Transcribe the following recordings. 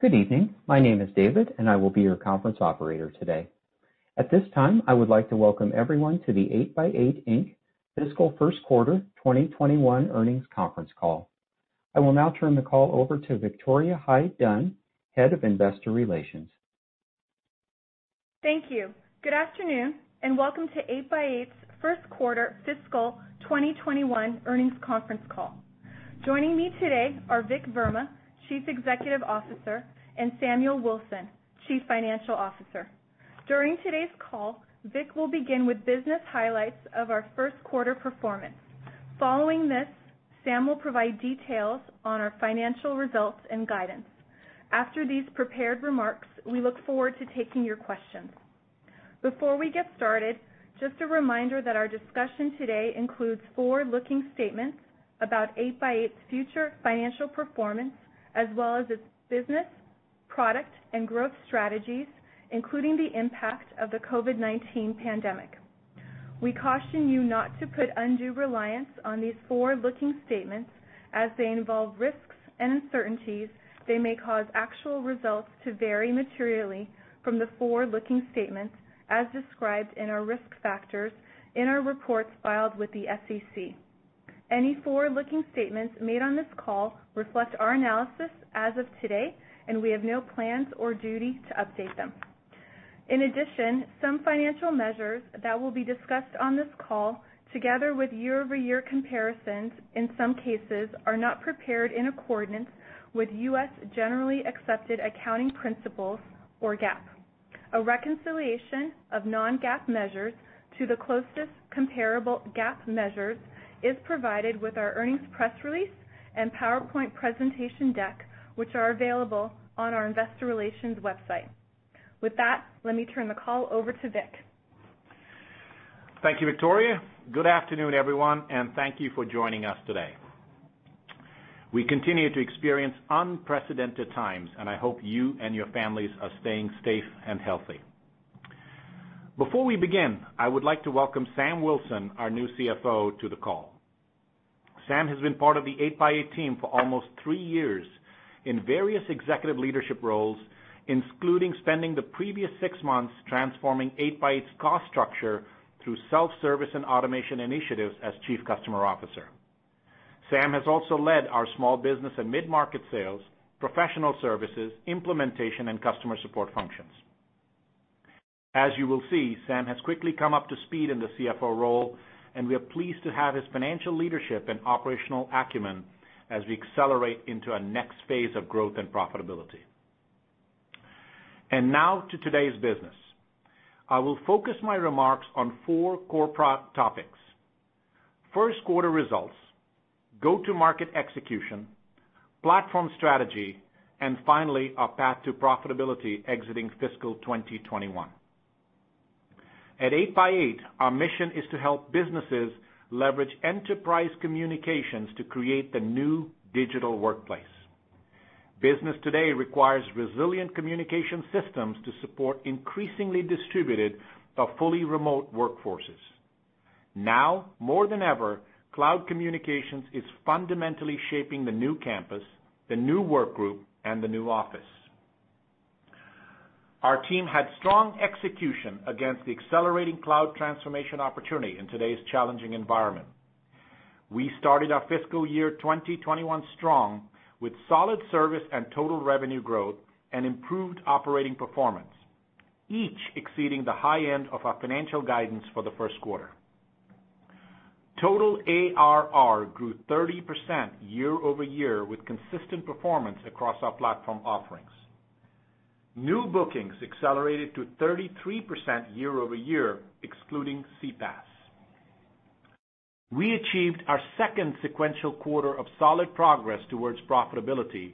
Good evening. My name is David, and I will be your conference operator today. At this time, I would like to welcome everyone to the 8x8, Inc. Fiscal First Quarter 2021 Earnings Conference Call. I will now turn the call over to Victoria Hyde-Dunn, Head of Investor Relations. Thank you. Good afternoon, and welcome to 8x8's first quarter fiscal 2021 earnings conference call. Joining me today are Vik Verma, Chief Executive Officer, and Samuel Wilson, Chief Financial Officer. During today's call, Vik will begin with business highlights of our first quarter performance. Following this, Sam will provide details on our financial results and guidance. After these prepared remarks, we look forward to taking your questions. Before we get started, just a reminder that our discussion today includes forward-looking statements about 8x8's future financial performance, as well as its business, product, and growth strategies, including the impact of the COVID-19 pandemic. We caution you not to put undue reliance on these forward-looking statements as they involve risks and uncertainties. They may cause actual results to vary materially from the forward-looking statements as described in our risk factors in our reports filed with the SEC. Any forward-looking statements made on this call reflect our analysis as of today, and we have no plans or duty to update them. In addition, some financial measures that will be discussed on this call, together with year-over-year comparisons in some cases, are not prepared in accordance with U.S. generally accepted accounting principles, or GAAP. A reconciliation of non-GAAP measures to the closest comparable GAAP measures is provided with our earnings press release and PowerPoint presentation deck, which are available on our Investor Relations website. With that, let me turn the call over to Vik. Thank you, Victoria. Good afternoon, everyone, and thank you for joining us today. We continue to experience unprecedented times, and I hope you and your families are staying safe and healthy. Before we begin, I would like to welcome Sam Wilson, our new CFO, to the call. Sam has been part of the 8x8 team for almost three years in various executive leadership roles, including spending the previous six months transforming 8x8's cost structure through self-service and automation initiatives as Chief Customer Officer. Sam has also led our small business and mid-market sales, professional services, implementation, and customer support functions. As you will see, Sam has quickly come up to speed in the CFO role, and we are pleased to have his financial leadership and operational acumen as we accelerate into our next phase of growth and profitability. Now to today's business. I will focus my remarks on four core topics: first quarter results, go-to-market execution, platform strategy, and finally, our path to profitability exiting fiscal 2021. At 8x8, our mission is to help businesses leverage enterprise communications to create the new digital workplace. Business today requires resilient communication systems to support increasingly distributed but fully remote workforces. Now more than ever, cloud communications is fundamentally shaping the new campus, the new work group, and the new office. Our team had strong execution against the accelerating cloud transformation opportunity in today's challenging environment. We started our fiscal year 2021 strong, with solid service and total revenue growth and improved operating performance, each exceeding the high end of our financial guidance for the first quarter. Total ARR grew 30% year-over-year with consistent performance across our platform offerings. New bookings accelerated to 33% year-over-year, excluding CPaaS. We achieved our second sequential quarter of solid progress towards profitability,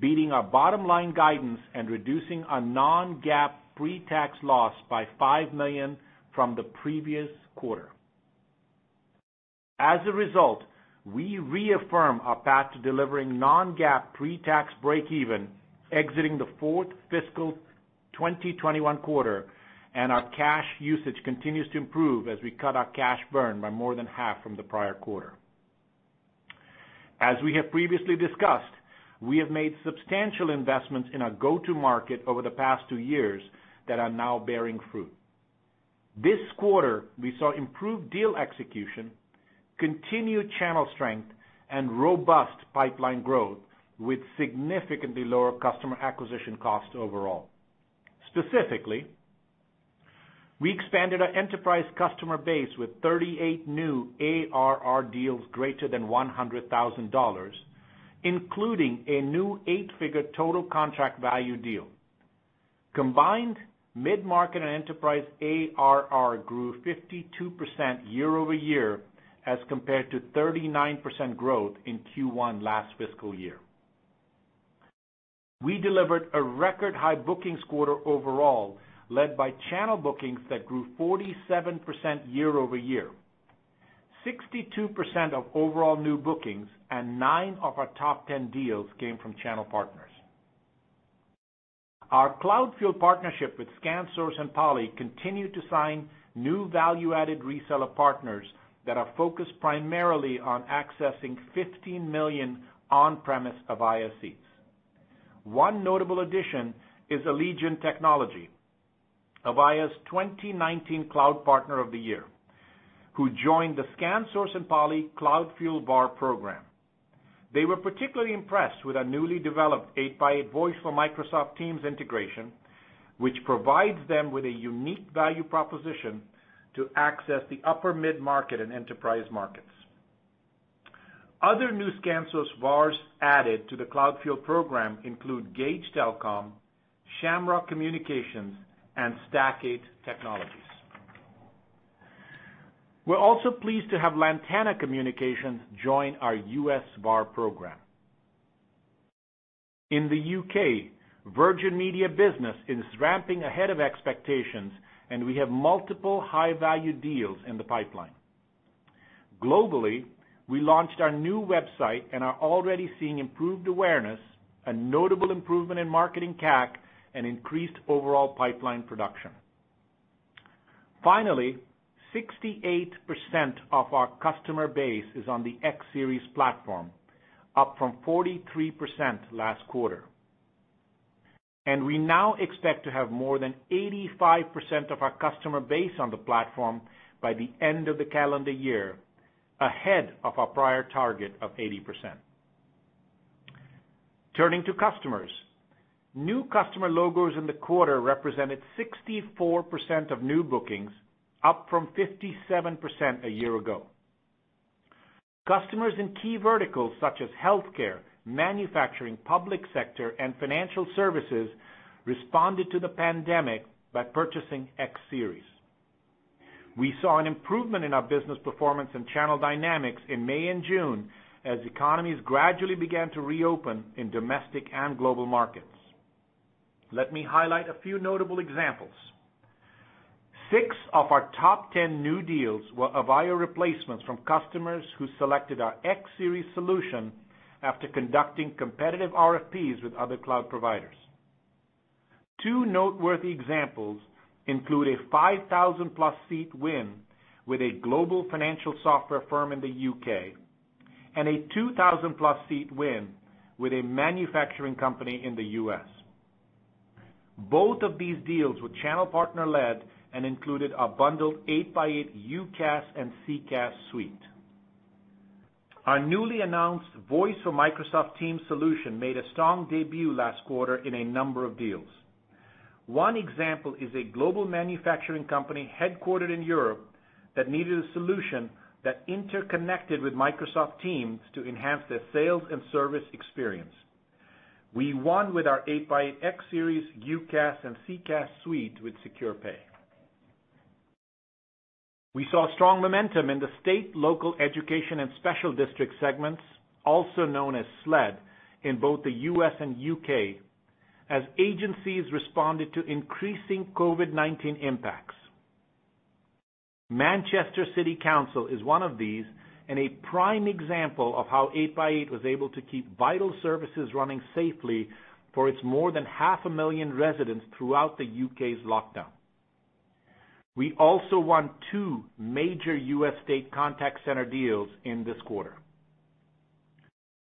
beating our bottom-line guidance and reducing our non-GAAP pre-tax loss by $5 million from the previous quarter. As a result, we reaffirm our path to delivering non-GAAP pre-tax breakeven exiting the fourth fiscal 2021 quarter, and our cash usage continues to improve as we cut our cash burn by more than half from the prior quarter. As we have previously discussed, we have made substantial investments in our go-to market over the past two years that are now bearing fruit. This quarter, we saw improved deal execution, continued channel strength, and robust pipeline growth with significantly lower customer acquisition costs overall. Specifically, we expanded our enterprise customer base with 38 new ARR deals greater than $100,000, including a new eight-figure total contract value deal. Combined, mid-market and enterprise ARR grew 52% year-over-year as compared to 39% growth in Q1 last fiscal year. We delivered a record high bookings quarter overall, led by channel bookings that grew 47% year-over-year. 62% of overall new bookings and nine of our top 10 deals came from channel partners. Our CloudFuel partnership with ScanSource and Poly continued to sign new value-added reseller partners that are focused primarily on accessing 15 million on-premise Avaya seats. One notable addition is Allegiant Technology, Avaya's 2019 Cloud Partner of the Year, who joined the ScanSource and Poly CloudFuel VAR program. They were particularly impressed with our newly developed 8x8 Voice for Microsoft Teams integration, which provides them with a unique value proposition to access the upper mid-market and enterprise markets. Other new ScanSource VARs added to the CloudFuel program include Gage Telecom, Shamrock Communications, and Stack8. We're also pleased to have Lantana Communications join our U.S. VAR program. In the U.K., Virgin Media Business is ramping ahead of expectations, and we have multiple high-value deals in the pipeline. Globally, we launched our new website and are already seeing improved awareness, a notable improvement in marketing CAC, and increased overall pipeline production. Finally, 68% of our customer base is on the X Series platform, up from 43% last quarter. We now expect to have more than 85% of our customer base on the platform by the end of the calendar year, ahead of our prior target of 80%. Turning to customers. New customer logos in the quarter represented 64% of new bookings, up from 57% a year ago. Customers in key verticals such as healthcare, manufacturing, public sector, and financial services responded to the pandemic by purchasing X Series. We saw an improvement in our business performance and channel dynamics in May and June as economies gradually began to reopen in domestic and global markets. Let me highlight a few notable examples. Six of our top 10 new deals were Avaya replacements from customers who selected our X Series solution after conducting competitive RFPs with other cloud providers. Two noteworthy examples include a 5,000-plus seat win with a global financial software firm in the U.K., and a 2,000-plus seat win with a manufacturing company in the U.S. Both of these deals were channel partner-led and included a bundled 8x8 UCaaS and CCaaS suite. Our newly announced Voice for Microsoft Teams solution made a strong debut last quarter in a number of deals. One example is a global manufacturing company headquartered in Europe that needed a solution that interconnected with Microsoft Teams to enhance their sales and service experience. We won with our 8x8 X Series UCaaS and CCaaS suite with Secure Pay. We saw strong momentum in the state, local, education, and special district segments, also known as SLED, in both the U.S. and U.K. as agencies responded to increasing COVID-19 impacts. Manchester City Council is one of these, and a prime example of how 8x8 was able to keep vital services running safely for its more than half a million residents throughout the U.K.'s lockdown. We also won two major U.S. state contact center deals in this quarter.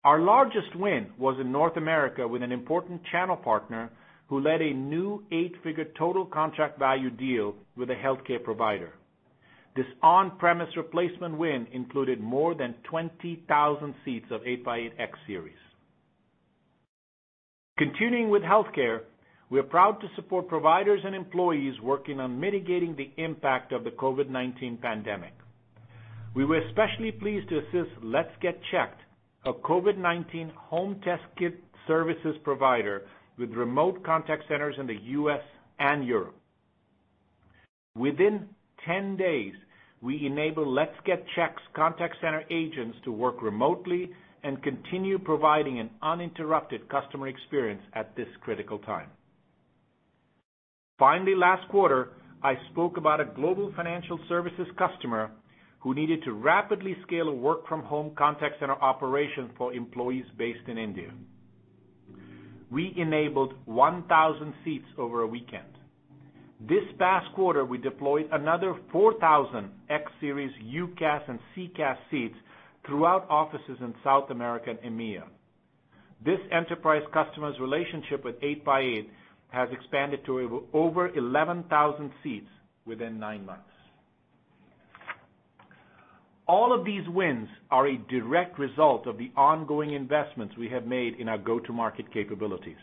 Our largest win was in North America with an important channel partner who led a new $8-figure total contract value deal with a healthcare provider. This on-premise replacement win included more than 20,000 seats of 8x8 X Series. Continuing with healthcare, we are proud to support providers and employees working on mitigating the impact of the COVID-19 pandemic. We were especially pleased to assist LetsGetChecked, a COVID-19 home test kit services provider with remote contact centers in the U.S. and Europe. Within 10 days, we enabled LetsGetChecked contact center agents to work remotely and continue providing an uninterrupted customer experience at this critical time. Finally, last quarter, I spoke about a global financial services customer who needed to rapidly scale a work-from-home contact center operation for employees based in India. We enabled 1,000 seats over a weekend. This past quarter, we deployed another 4,000 X Series UCaaS and CCaaS seats throughout offices in South America and EMEA. This enterprise customer's relationship with 8x8 has expanded to over 11,000 seats within nine months. All of these wins are a direct result of the ongoing investments we have made in our go-to-market capabilities.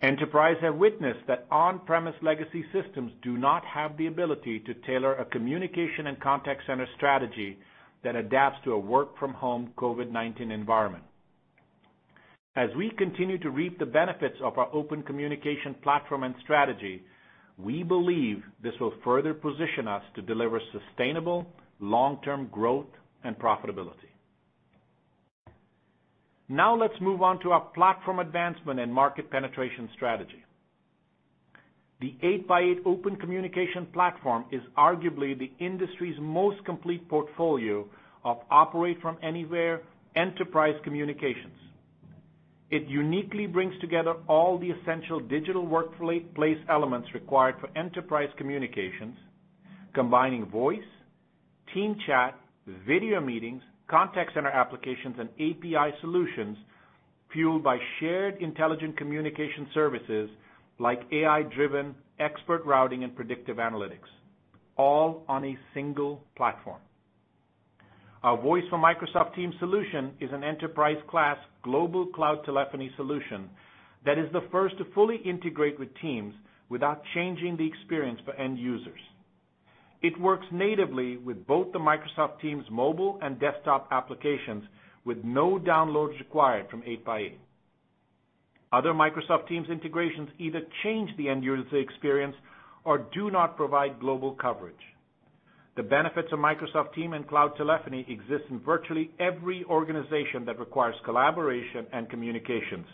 Enterprise have witnessed that on-premise legacy systems do not have the ability to tailor a communication and contact center strategy that adapts to a work-from-home COVID-19 environment. As we continue to reap the benefits of our Open Communications Platform and strategy, we believe this will further position us to deliver sustainable long-term growth and profitability. Let's move on to our platform advancement and market penetration strategy. The 8x8 Open Communications Platform is arguably the industry's most complete portfolio of operate from anywhere enterprise communications. It uniquely brings together all the essential digital workplace elements required for enterprise communications, combining voice, team chat, video meetings, contact center applications, and API solutions fueled by shared intelligent communication services like AI-driven expert routing and predictive analytics, all on a single platform. Our Voice for Microsoft Teams solution is an enterprise-class global cloud telephony solution that is the first to fully integrate with Teams without changing the experience for end users. It works natively with both the Microsoft Teams mobile and desktop applications with no downloads required from 8x8. Other Microsoft Teams integrations either change the end-user experience or do not provide global coverage. The benefits of Microsoft Teams and cloud telephony exist in virtually every organization that requires collaboration and communications,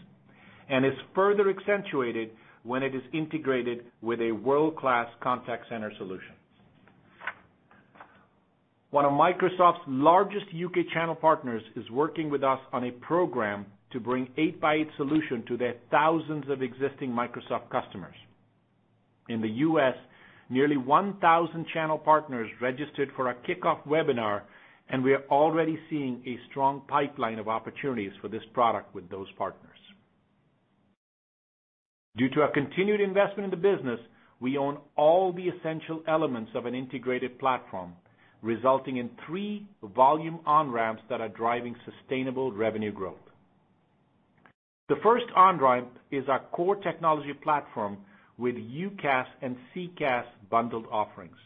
and is further accentuated when it is integrated with a world-class contact center solution. One of Microsoft's largest U.K. channel partners is working with us on a program to bring 8x8 solution to their thousands of existing Microsoft customers. In the U.S., nearly 1,000 channel partners registered for our kickoff webinar, and we are already seeing a strong pipeline of opportunities for this product with those partners. Due to our continued investment in the business, we own all the essential elements of an integrated platform, resulting in three volume on-ramps that are driving sustainable revenue growth. The first on-ramp is our core technology platform with UCaaS and CCaaS bundled offerings.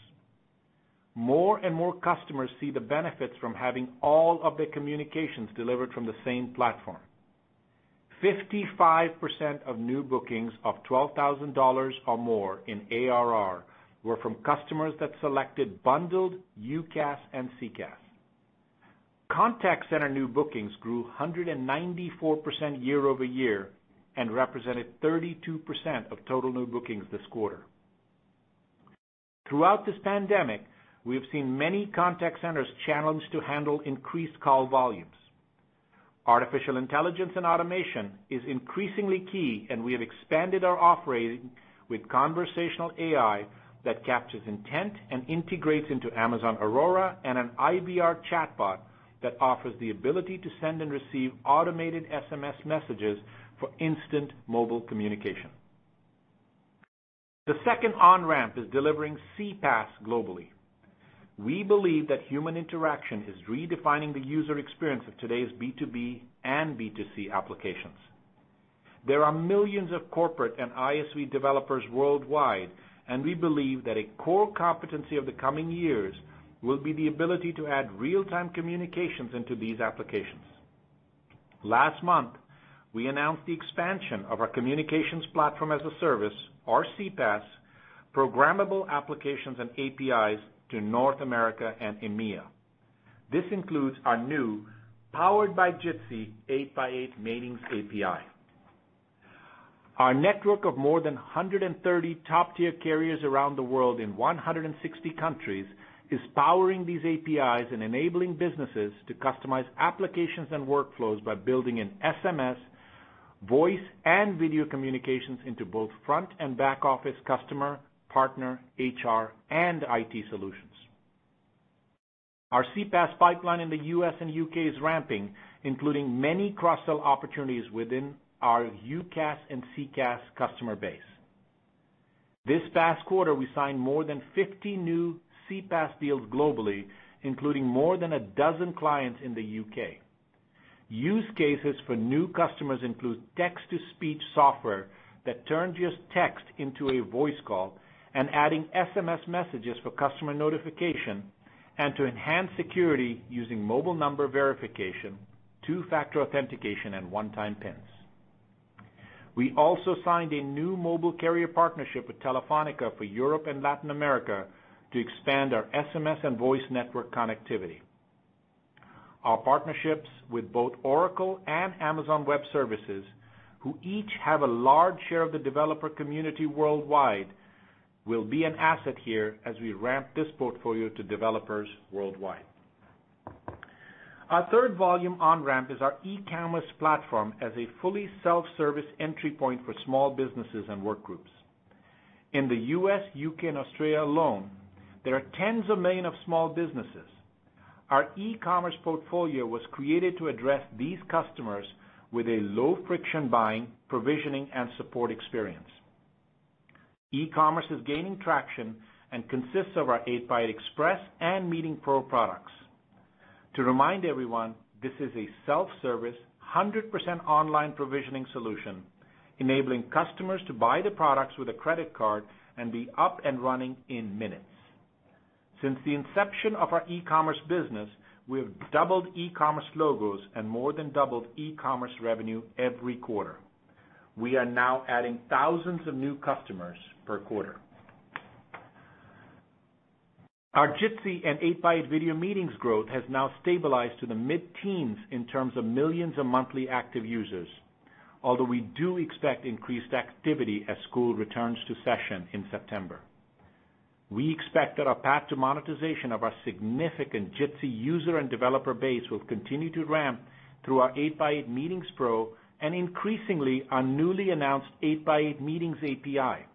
More and more customers see the benefits from having all of their communications delivered from the same platform. 55% of new bookings of $12,000 or more in ARR were from customers that selected bundled UCaaS and CCaaS. Contact center new bookings grew 194% year-over-year and represented 32% of total new bookings this quarter. Throughout this pandemic, we have seen many contact centers challenged to handle increased call volumes. Artificial intelligence and automation is increasingly key, and we have expanded our operating with conversational AI that captures intent and integrates into Amazon Aurora and an IVR chatbot that offers the ability to send and receive automated SMS messages for instant mobile communication. The second on-ramp is delivering CPaaS globally. We believe that human interaction is redefining the user experience of today's B2B and B2C applications. There are millions of corporate and ISV developers worldwide, and we believe that a core competency of the coming years will be the ability to add real-time communications into these applications. Last month, we announced the expansion of our Communications Platform as a Service, or CPaaS, programmable applications and APIs to North America and EMEA. This includes our new powered by Jitsi 8x8 Meetings API. Our network of more than 130 top-tier carriers around the world in 160 countries is powering these APIs and enabling businesses to customize applications and workflows by building an SMS, voice, and video communications into both front and back office customer, partner, HR, and IT solutions. Our CPaaS pipeline in the U.S. and U.K. is ramping, including many cross-sell opportunities within our UCaaS and CCaaS customer base. This past quarter, we signed more than 50 new CPaaS deals globally, including more than a dozen clients in the U.K. Use cases for new customers include text-to-speech software that turns your text into a voice call and adding SMS messages for customer notification and to enhance security using mobile number verification, two-factor authentication, and one-time PINs. We also signed a new mobile carrier partnership with Telefónica for Europe and Latin America to expand our SMS and voice network connectivity. Our partnerships with both Oracle and Amazon Web Services, who each have a large share of the developer community worldwide, will be an asset here as we ramp this portfolio to developers worldwide. Our third volume on-ramp is our eCommerce platform as a fully self-service entry point for small businesses and workgroups. In the U.S., U.K., and Australia alone, there are tens of millions of small businesses. Our eCommerce portfolio was created to address these customers with a low-friction buying, provisioning, and support experience. eCommerce is gaining traction and consists of our 8x8 Express and Meetings Pro products. To remind everyone, this is a self-service, 100% online provisioning solution, enabling customers to buy the products with a credit card and be up and running in minutes. Since the inception of our eCommerce business, we have doubled eCommerce logos and more than doubled eCommerce revenue every quarter. We are now adding thousands of new customers per quarter. Our Jitsi and 8x8 Video Meetings growth has now stabilized to the mid-teens in terms of millions of monthly active users. Although we do expect increased activity as school returns to session in September. We expect that our path to monetization of our significant Jitsi user and developer base will continue to ramp through our 8x8 Meetings Pro, and increasingly, our newly announced 8x8 Meetings API.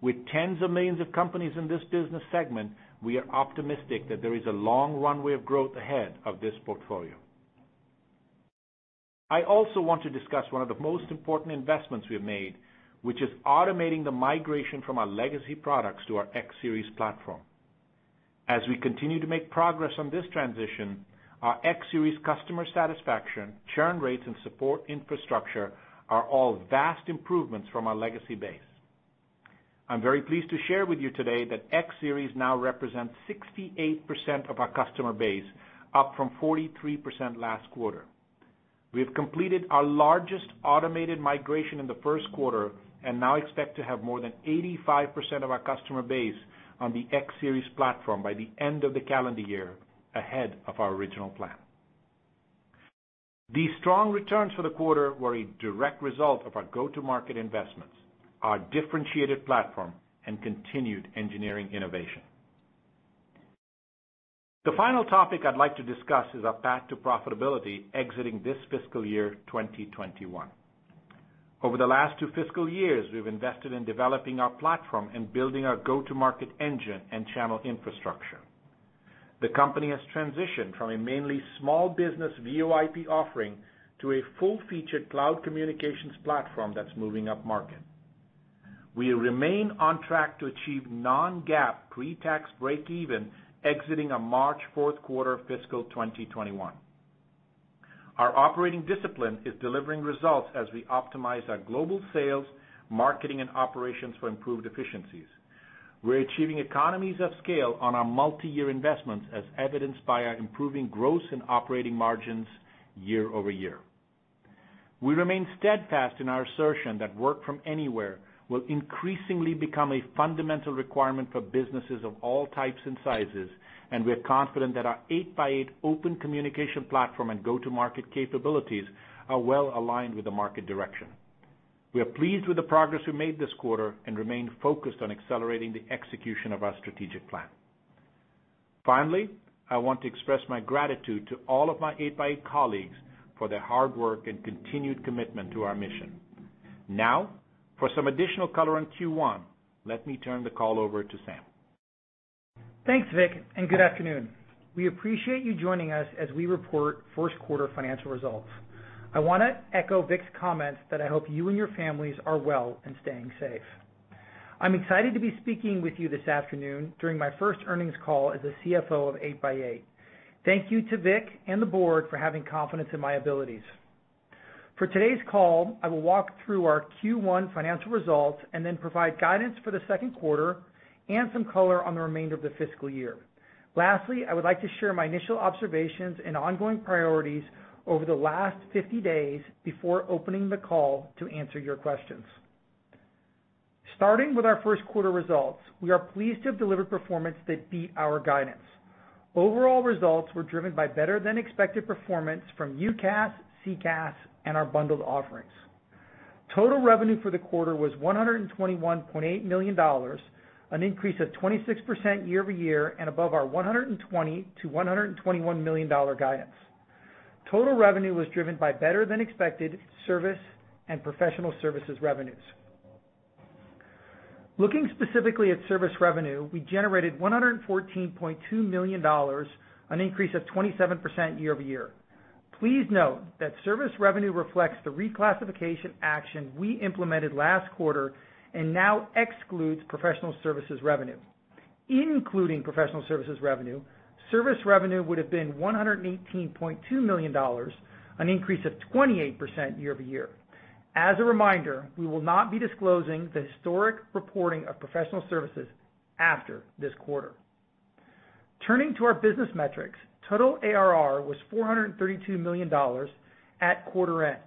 With tens of millions of companies in this business segment, we are optimistic that there is a long runway of growth ahead of this portfolio. I also want to discuss one of the most important investments we've made, which is automating the migration from our legacy products to our X Series platform. As we continue to make progress on this transition, our X Series customer satisfaction, churn rates, and support infrastructure are all vast improvements from our legacy base. I'm very pleased to share with you today that X Series now represents 68% of our customer base, up from 43% last quarter. We have completed our largest automated migration in the first quarter, and now expect to have more than 85% of our customer base on the X Series platform by the end of the calendar year, ahead of our original plan. These strong returns for the quarter were a direct result of our go-to-market investments, our differentiated platform, and continued engineering innovation. The final topic I'd like to discuss is our path to profitability exiting this fiscal year 2021. Over the last two fiscal years, we've invested in developing our platform and building our go-to-market engine and channel infrastructure. The company has transitioned from a mainly small business VoIP offering to a full-featured cloud communications platform that's moving up market. We remain on track to achieve non-GAAP pre-tax break even exiting on [March] fourth quarter of fiscal 2021. Our operating discipline is delivering results as we optimize our global sales, marketing, and operations for improved efficiencies. We're achieving economies of scale on our multi-year investments, as evidenced by our improving gross and operating margins year-over-year. We remain steadfast in our assertion that work from anywhere will increasingly become a fundamental requirement for businesses of all types and sizes, and we're confident that our 8x8 Open Communications Platform and go-to-market capabilities are well-aligned with the market direction. We are pleased with the progress we made this quarter and remain focused on accelerating the execution of our strategic plan. Finally, I want to express my gratitude to all of my 8x8 colleagues for their hard work and continued commitment to our mission. Now, for some additional color on Q1, let me turn the call over to Sam. Thanks, Vik, good afternoon. We appreciate you joining us as we report first quarter financial results. I want to echo Vik's comments that I hope you and your families are well and staying safe. I'm excited to be speaking with you this afternoon during my first earnings call as the CFO of 8x8. Thank you to Vik and the board for having confidence in my abilities. For today's call, I will walk through our Q1 financial results then provide guidance for the second quarter and some color on the remainder of the fiscal year. Lastly, I would like to share my initial observations and ongoing priorities over the last 50 days before opening the call to answer your questions. Starting with our first quarter results, we are pleased to have delivered performance that beat our guidance. Overall results were driven by better than expected performance from UCaaS, CCaaS, and our bundled offerings. Total revenue for the quarter was $121.8 million, an increase of 26% year-over-year and above our $120 million-$121 million guidance. Total revenue was driven by better than expected service and professional services revenues. Looking specifically at service revenue, we generated $114.2 million, an increase of 27% year-over-year. Please note that service revenue reflects the reclassification action we implemented last quarter and now excludes professional services revenue. Including professional services revenue, service revenue would've been $118.2 million, an increase of 28% year-over-year. As a reminder, we will not be disclosing the historic reporting of professional services after this quarter. Turning to our business metrics, total ARR was $432 million at quarter end,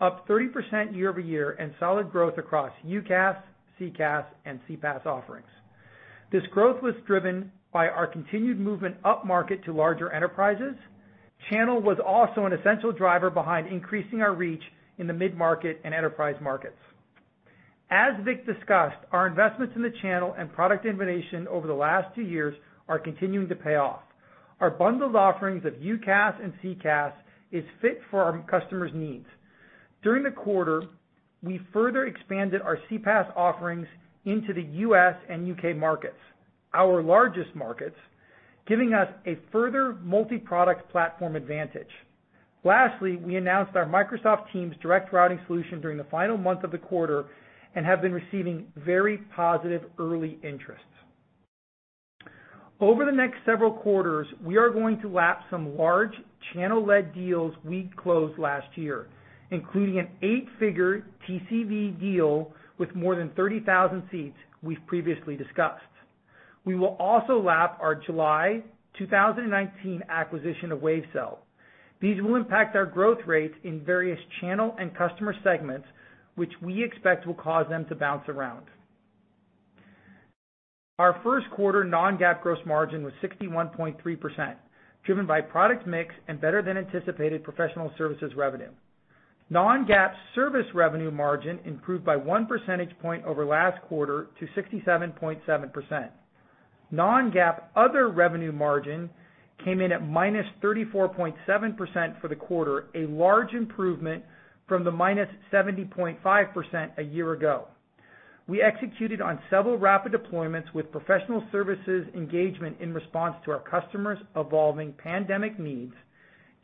up 30% year-over-year, and solid growth across UCaaS, CCaaS, and CPaaS offerings. This growth was driven by our continued movement up market to larger enterprises. Channel was also an essential driver behind increasing our reach in the mid-market and enterprise markets. As Vik discussed, our investments in the channel and product innovation over the last two years are continuing to pay off. Our bundled offerings of UCaaS and CCaaS is fit for our customers' needs. During the quarter, we further expanded our CPaaS offerings into the U.S. and U.K. markets, our largest markets, giving us a further multi-product platform advantage. Lastly, we announced our Microsoft Teams direct routing solution during the final month of the quarter and have been receiving very positive early interest. Over the next several quarters, we are going to lap some large channel-led deals we closed last year, including an eight-figure TCV deal with more than 30,000 seats we've previously discussed. We will also lap our July 2019 acquisition of Wavecell. These will impact our growth rates in various channel and customer segments, which we expect will cause them to bounce around. Our first quarter non-GAAP gross margin was 61.3%, driven by product mix and better than anticipated professional services revenue. Non-GAAP service revenue margin improved by one percentage point over last quarter to 67.7%. Non-GAAP other revenue margin came in at -34.7% for the quarter, a large improvement from the -70.5% a year ago. We executed on several rapid deployments with professional services engagement in response to our customers' evolving pandemic needs,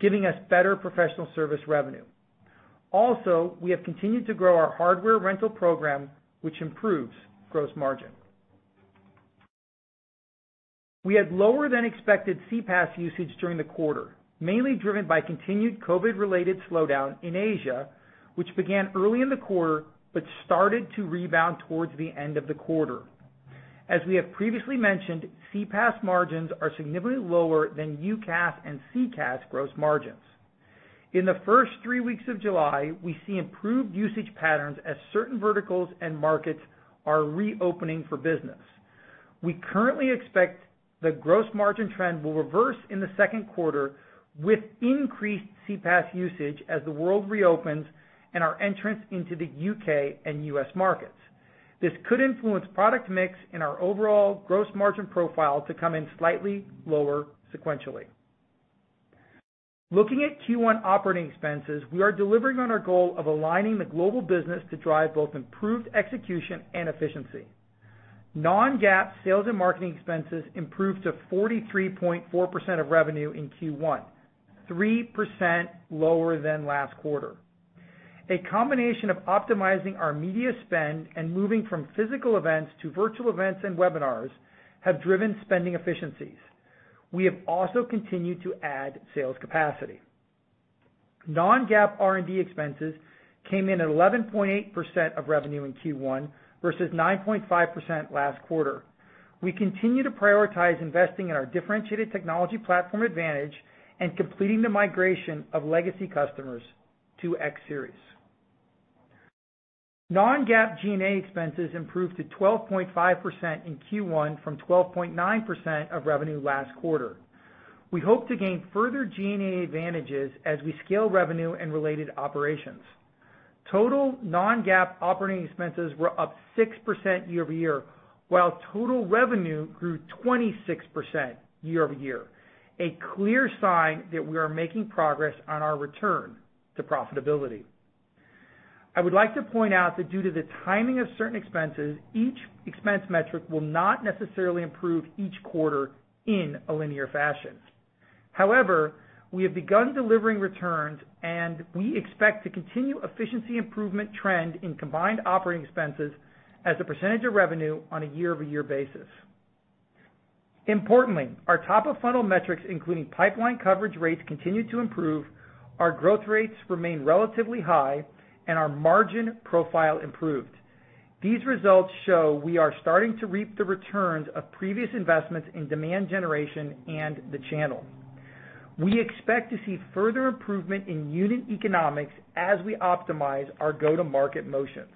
giving us better professional service revenue. Also, we have continued to grow our hardware rental program, which improves gross margin. We had lower than expected CPaaS usage during the quarter, mainly driven by continued COVID-related slowdown in Asia, which began early in the quarter but started to rebound towards the end of the quarter. As we have previously mentioned, CPaaS margins are significantly lower than UCaaS and CCaaS gross margins. In the first three weeks of July, we see improved usage patterns as certain verticals and markets are reopening for business. We currently expect the gross margin trend will reverse in the second quarter with increased CPaaS usage as the world reopens and our entrance into the U.K. and U.S. markets. This could influence product mix and our overall gross margin profile to come in slightly lower sequentially. Looking at Q1 operating expenses, we are delivering on our goal of aligning the global business to drive both improved execution and efficiency. Non-GAAP sales and marketing expenses improved to 43.4% of revenue in Q1, 3% lower than last quarter. A combination of optimizing our media spend and moving from physical events to virtual events and webinars have driven spending efficiencies. We have also continued to add sales capacity. Non-GAAP R&D expenses came in at 11.8% of revenue in Q1 versus 9.5% last quarter. We continue to prioritize investing in our differentiated technology platform advantage and completing the migration of legacy customers to X Series. Non-GAAP G&A expenses improved to 12.5% in Q1 from 12.9% of revenue last quarter. We hope to gain further G&A advantages as we scale revenue and related operations. Total non-GAAP operating expenses were up 6% year-over-year, while total revenue grew 26% year-over-year, a clear sign that we are making progress on our return to profitability. I would like to point out that due to the timing of certain expenses, each expense metric will not necessarily improve each quarter in a linear fashion. However, we have begun delivering returns, and we expect to continue efficiency improvement trend in combined operating expenses as a percentage of revenue on a year-over-year basis. Importantly, our top of funnel metrics, including pipeline coverage rates, continue to improve, our growth rates remain relatively high, and our margin profile improved. These results show we are starting to reap the returns of previous investments in demand generation and the channel. We expect to see further improvement in unit economics as we optimize our go-to-market motions.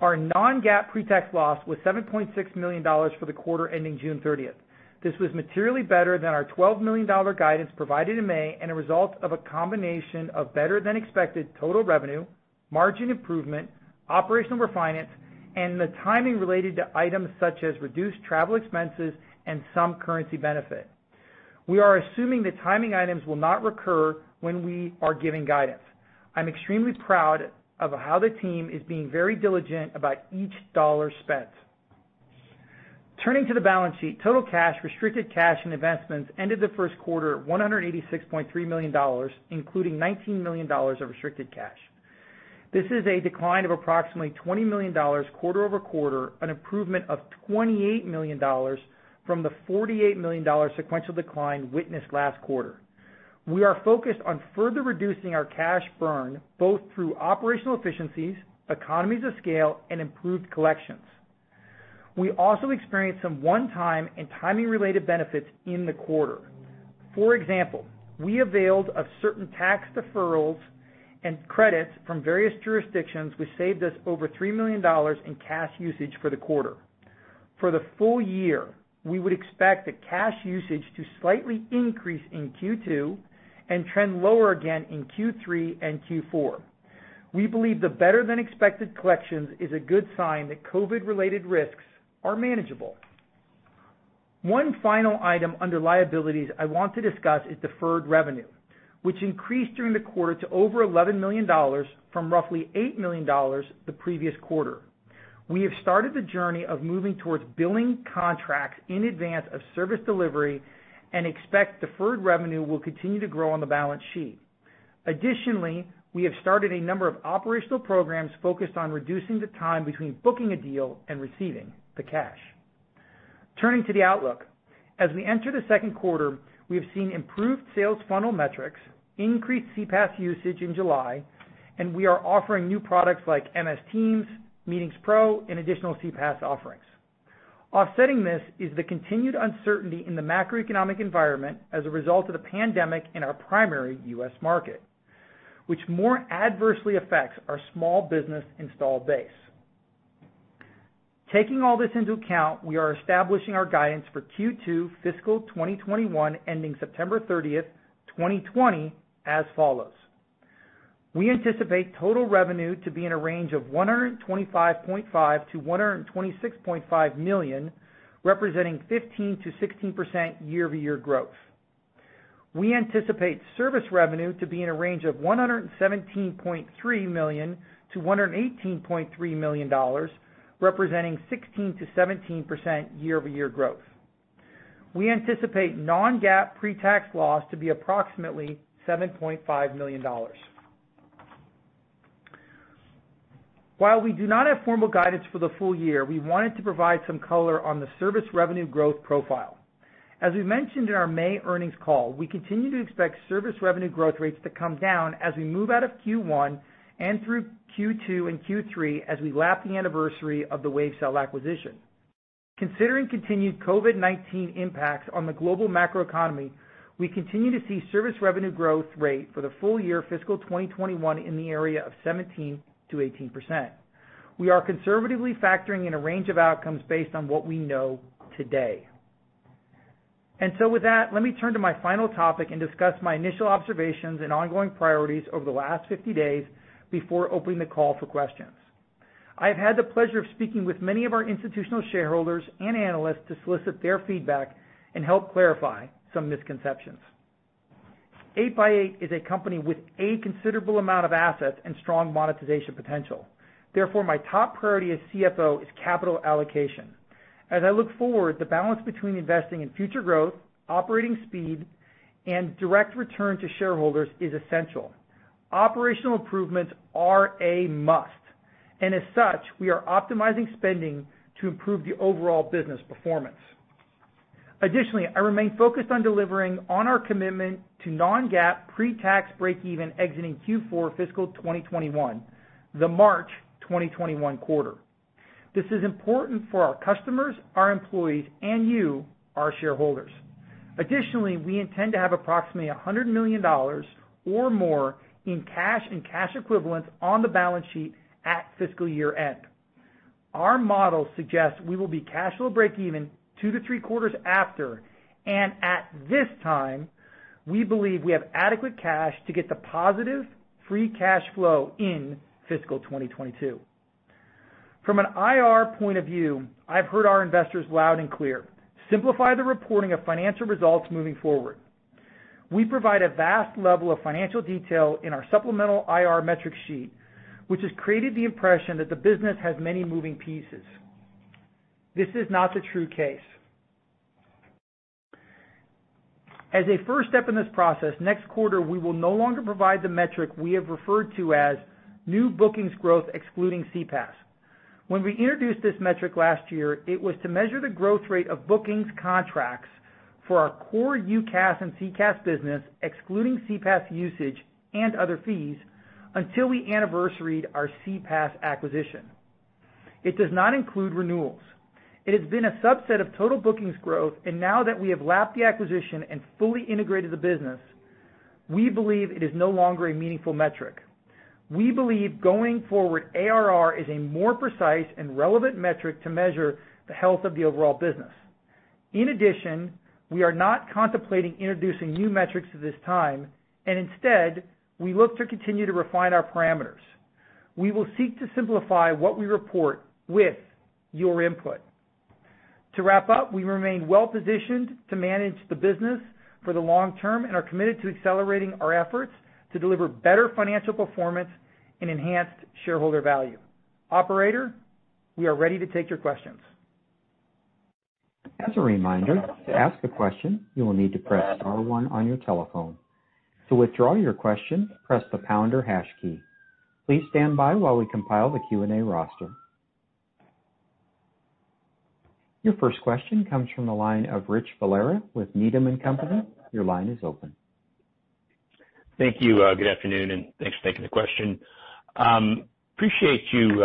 Our non-GAAP pre-tax loss was $7.6 million for the quarter ending June 30th. This was materially better than our $12 million guidance provided in May and a result of a combination of better than expected total revenue, margin improvement, operational refinements, and the timing related to items such as reduced travel expenses and some currency benefit. We are assuming the timing items will not recur when we are giving guidance. I'm extremely proud of how the team is being very diligent about each dollar spent. Turning to the balance sheet, total cash, restricted cash, and investments ended the first quarter at $186.3 million, including $19 million of restricted cash. This is a decline of approximately $20 million quarter-over-quarter, an improvement of $28 million from the $48 million sequential decline witnessed last quarter. We are focused on further reducing our cash burn, both through operational efficiencies, economies of scale, and improved collections. We also experienced some one-time and timing-related benefits in the quarter. For example, we availed of certain tax deferrals and credits from various jurisdictions, which saved us over $3 million in cash usage for the quarter. For the full year, we would expect the cash usage to slightly increase in Q2 and trend lower again in Q3 and Q4. We believe the better-than-expected collections is a good sign that COVID-related risks are manageable. One final item under liabilities I want to discuss is deferred revenue, which increased during the quarter to over $11 million from roughly $8 million the previous quarter. We have started the journey of moving towards billing contracts in advance of service delivery and expect deferred revenue will continue to grow on the balance sheet. Additionally, we have started a number of operational programs focused on reducing the time between booking a deal and receiving the cash. Turning to the outlook. As we enter the second quarter, we have seen improved sales funnel metrics, increased CPaaS usage in July, and we are offering new products like MS Teams, Meetings Pro, and additional CPaaS offerings. Offsetting this is the continued uncertainty in the macroeconomic environment as a result of the pandemic in our primary U.S. market, which more adversely affects our small business installed base. Taking all this into account, we are establishing our guidance for Q2 fiscal 2021 ending September 30th 2020 as follows. We anticipate total revenue to be in a range of $125.5 million-$126.5 million, representing 15%-16% year-over-year growth. We anticipate service revenue to be in a range of $117.3 million-$118.3 million, representing 16%-17% year-over-year growth. We anticipate non-GAAP pre-tax loss to be approximately $7.5 million. While we do not have formal guidance for the full year, we wanted to provide some color on the service revenue growth profile. As we mentioned in our May earnings call, we continue to expect service revenue growth rates to come down as we move out of Q1 and through Q2 and Q3 as we lap the anniversary of the Wavecell acquisition. Considering continued COVID-19 impacts on the global macroeconomy, we continue to see service revenue growth rate for the full year fiscal 2021 in the area of 17%-18%. We are conservatively factoring in a range of outcomes based on what we know today. With that, let me turn to my final topic and discuss my initial observations and ongoing priorities over the last 50 days before opening the call for questions. I've had the pleasure of speaking with many of our institutional shareholders and analysts to solicit their feedback and help clarify some misconceptions. 8x8 is a company with a considerable amount of assets and strong monetization potential. My top priority as CFO is capital allocation. As I look forward, the balance between investing in future growth, operating speed, and direct return to shareholders is essential. Operational improvements are a must, as such, we are optimizing spending to improve the overall business performance. Additionally, I remain focused on delivering on our commitment to non-GAAP pre-tax breakeven exiting Q4 fiscal 2021, the March 2021 quarter. This is important for our customers, our employees, and you, our shareholders. Additionally, we intend to have approximately $100 million or more in cash and cash equivalents on the balance sheet at fiscal year-end. Our model suggests we will be cash flow breakeven two to three quarters after, and at this time, we believe we have adequate cash to get to positive free cash flow in fiscal 2022. From an IR point of view, I've heard our investors loud and clear. Simplify the reporting of financial results moving forward. We provide a vast level of financial detail in our supplemental IR metric sheet, which has created the impression that the business has many moving pieces. This is not the true case. As a first step in this process, next quarter, we will no longer provide the metric we have referred to as new bookings growth excluding CPaaS. When we introduced this metric last year, it was to measure the growth rate of bookings contracts for our core UCaaS and CCaaS business, excluding CPaaS usage and other fees, until we anniversaried our CPaaS acquisition. It does not include renewals. It has been a subset of total bookings growth, and now that we have lapped the acquisition and fully integrated the business, we believe it is no longer a meaningful metric. We believe going forward, ARR is a more precise and relevant metric to measure the health of the overall business. In addition, we are not contemplating introducing new metrics at this time, and instead, we look to continue to refine our parameters. We will seek to simplify what we report with your input. To wrap up, we remain well-positioned to manage the business for the long term and are committed to accelerating our efforts to deliver better financial performance and enhanced shareholder value. Operator, we are ready to take your questions. As a reminder, to ask a question, you will need to press star one on your telephone. To withdraw your question, press the pound or hash key. Please stand by while we compile the Q&A roster. Your first question comes from the line of Rich Valera with Needham & Company. Your line is open. Thank you. Good afternoon. Thanks for taking the question. Appreciate you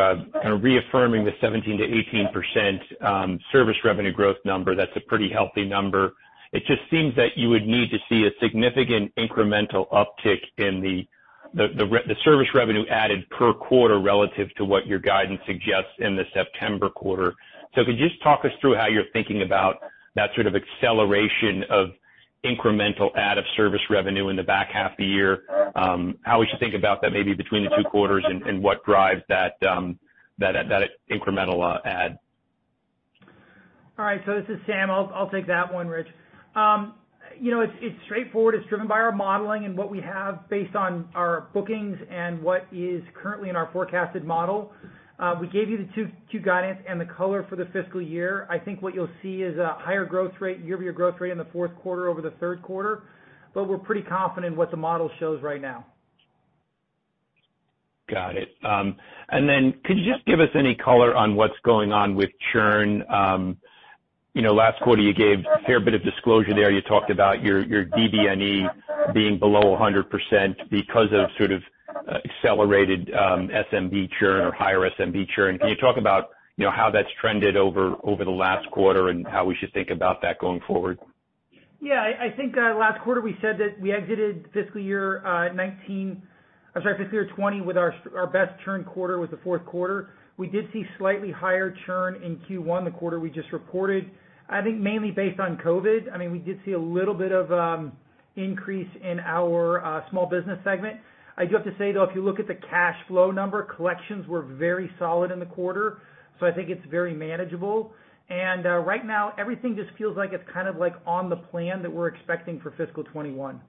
reaffirming the 17%-18% service revenue growth number. That's a pretty healthy number. It just seems that you would need to see a significant incremental uptick in the service revenue added per quarter relative to what your guidance suggests in the September quarter. Could you just talk us through how you're thinking about that sort of acceleration of incremental add of service revenue in the back half of the year? How we should think about that maybe between the two quarters and what drives that incremental add? All right. This is Sam. I'll take that one, Rich. It's straightforward. It's driven by our modeling and what we have based on our bookings and what is currently in our forecasted model. We gave you the two guidance and the color for the fiscal year. I think what you'll see is a higher growth rate, year-over-year growth rate in the fourth quarter over the third quarter, but we're pretty confident in what the model shows right now. Got it. Could you just give us any color on what's going on with churn? Last quarter, you gave a fair bit of disclosure there. You talked about your DBNE being below 100% because of sort of accelerated SMB churn or higher SMB churn. Can you talk about how that's trended over the last quarter and how we should think about that going forward? Yeah. I think last quarter we said that we exited fiscal year 2020 with our best churn quarter with the fourth quarter. We did see slightly higher churn in Q1, the quarter we just reported. I think mainly based on COVID. We did see a little bit of increase in our small business segment. I do have to say, though, if you look at the cash flow number, collections were very solid in the quarter, so I think it's very manageable. Right now, everything just feels like it's kind of on the plan that we're expecting for fiscal 2021.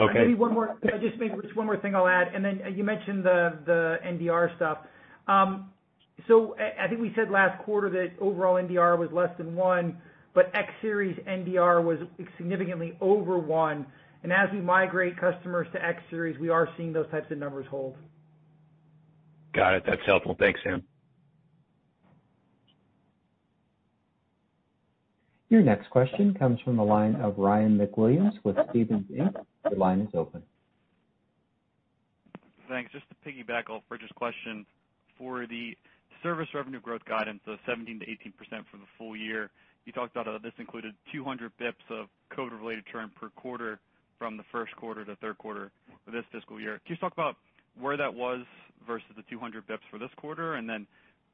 Okay. Maybe just one more thing I'll add, and then you mentioned the NDR stuff. I think we said last quarter that overall NDR was less than one, but X Series NDR was significantly over one, and as we migrate customers to X Series, we are seeing those types of numbers hold. Got it. That's helpful. Thanks, Sam. Your next question comes from the line of Ryan MacWilliams with Stephens Inc. Your line is open. Thanks. Just to piggyback off Rich's question, for the service revenue growth guidance of 17%-18% for the full year, you talked about how this included 200 basis points of COVID-related churn per quarter from the first quarter to third quarter of this fiscal year. Can you talk about where that was versus the 200 basis points for this quarter?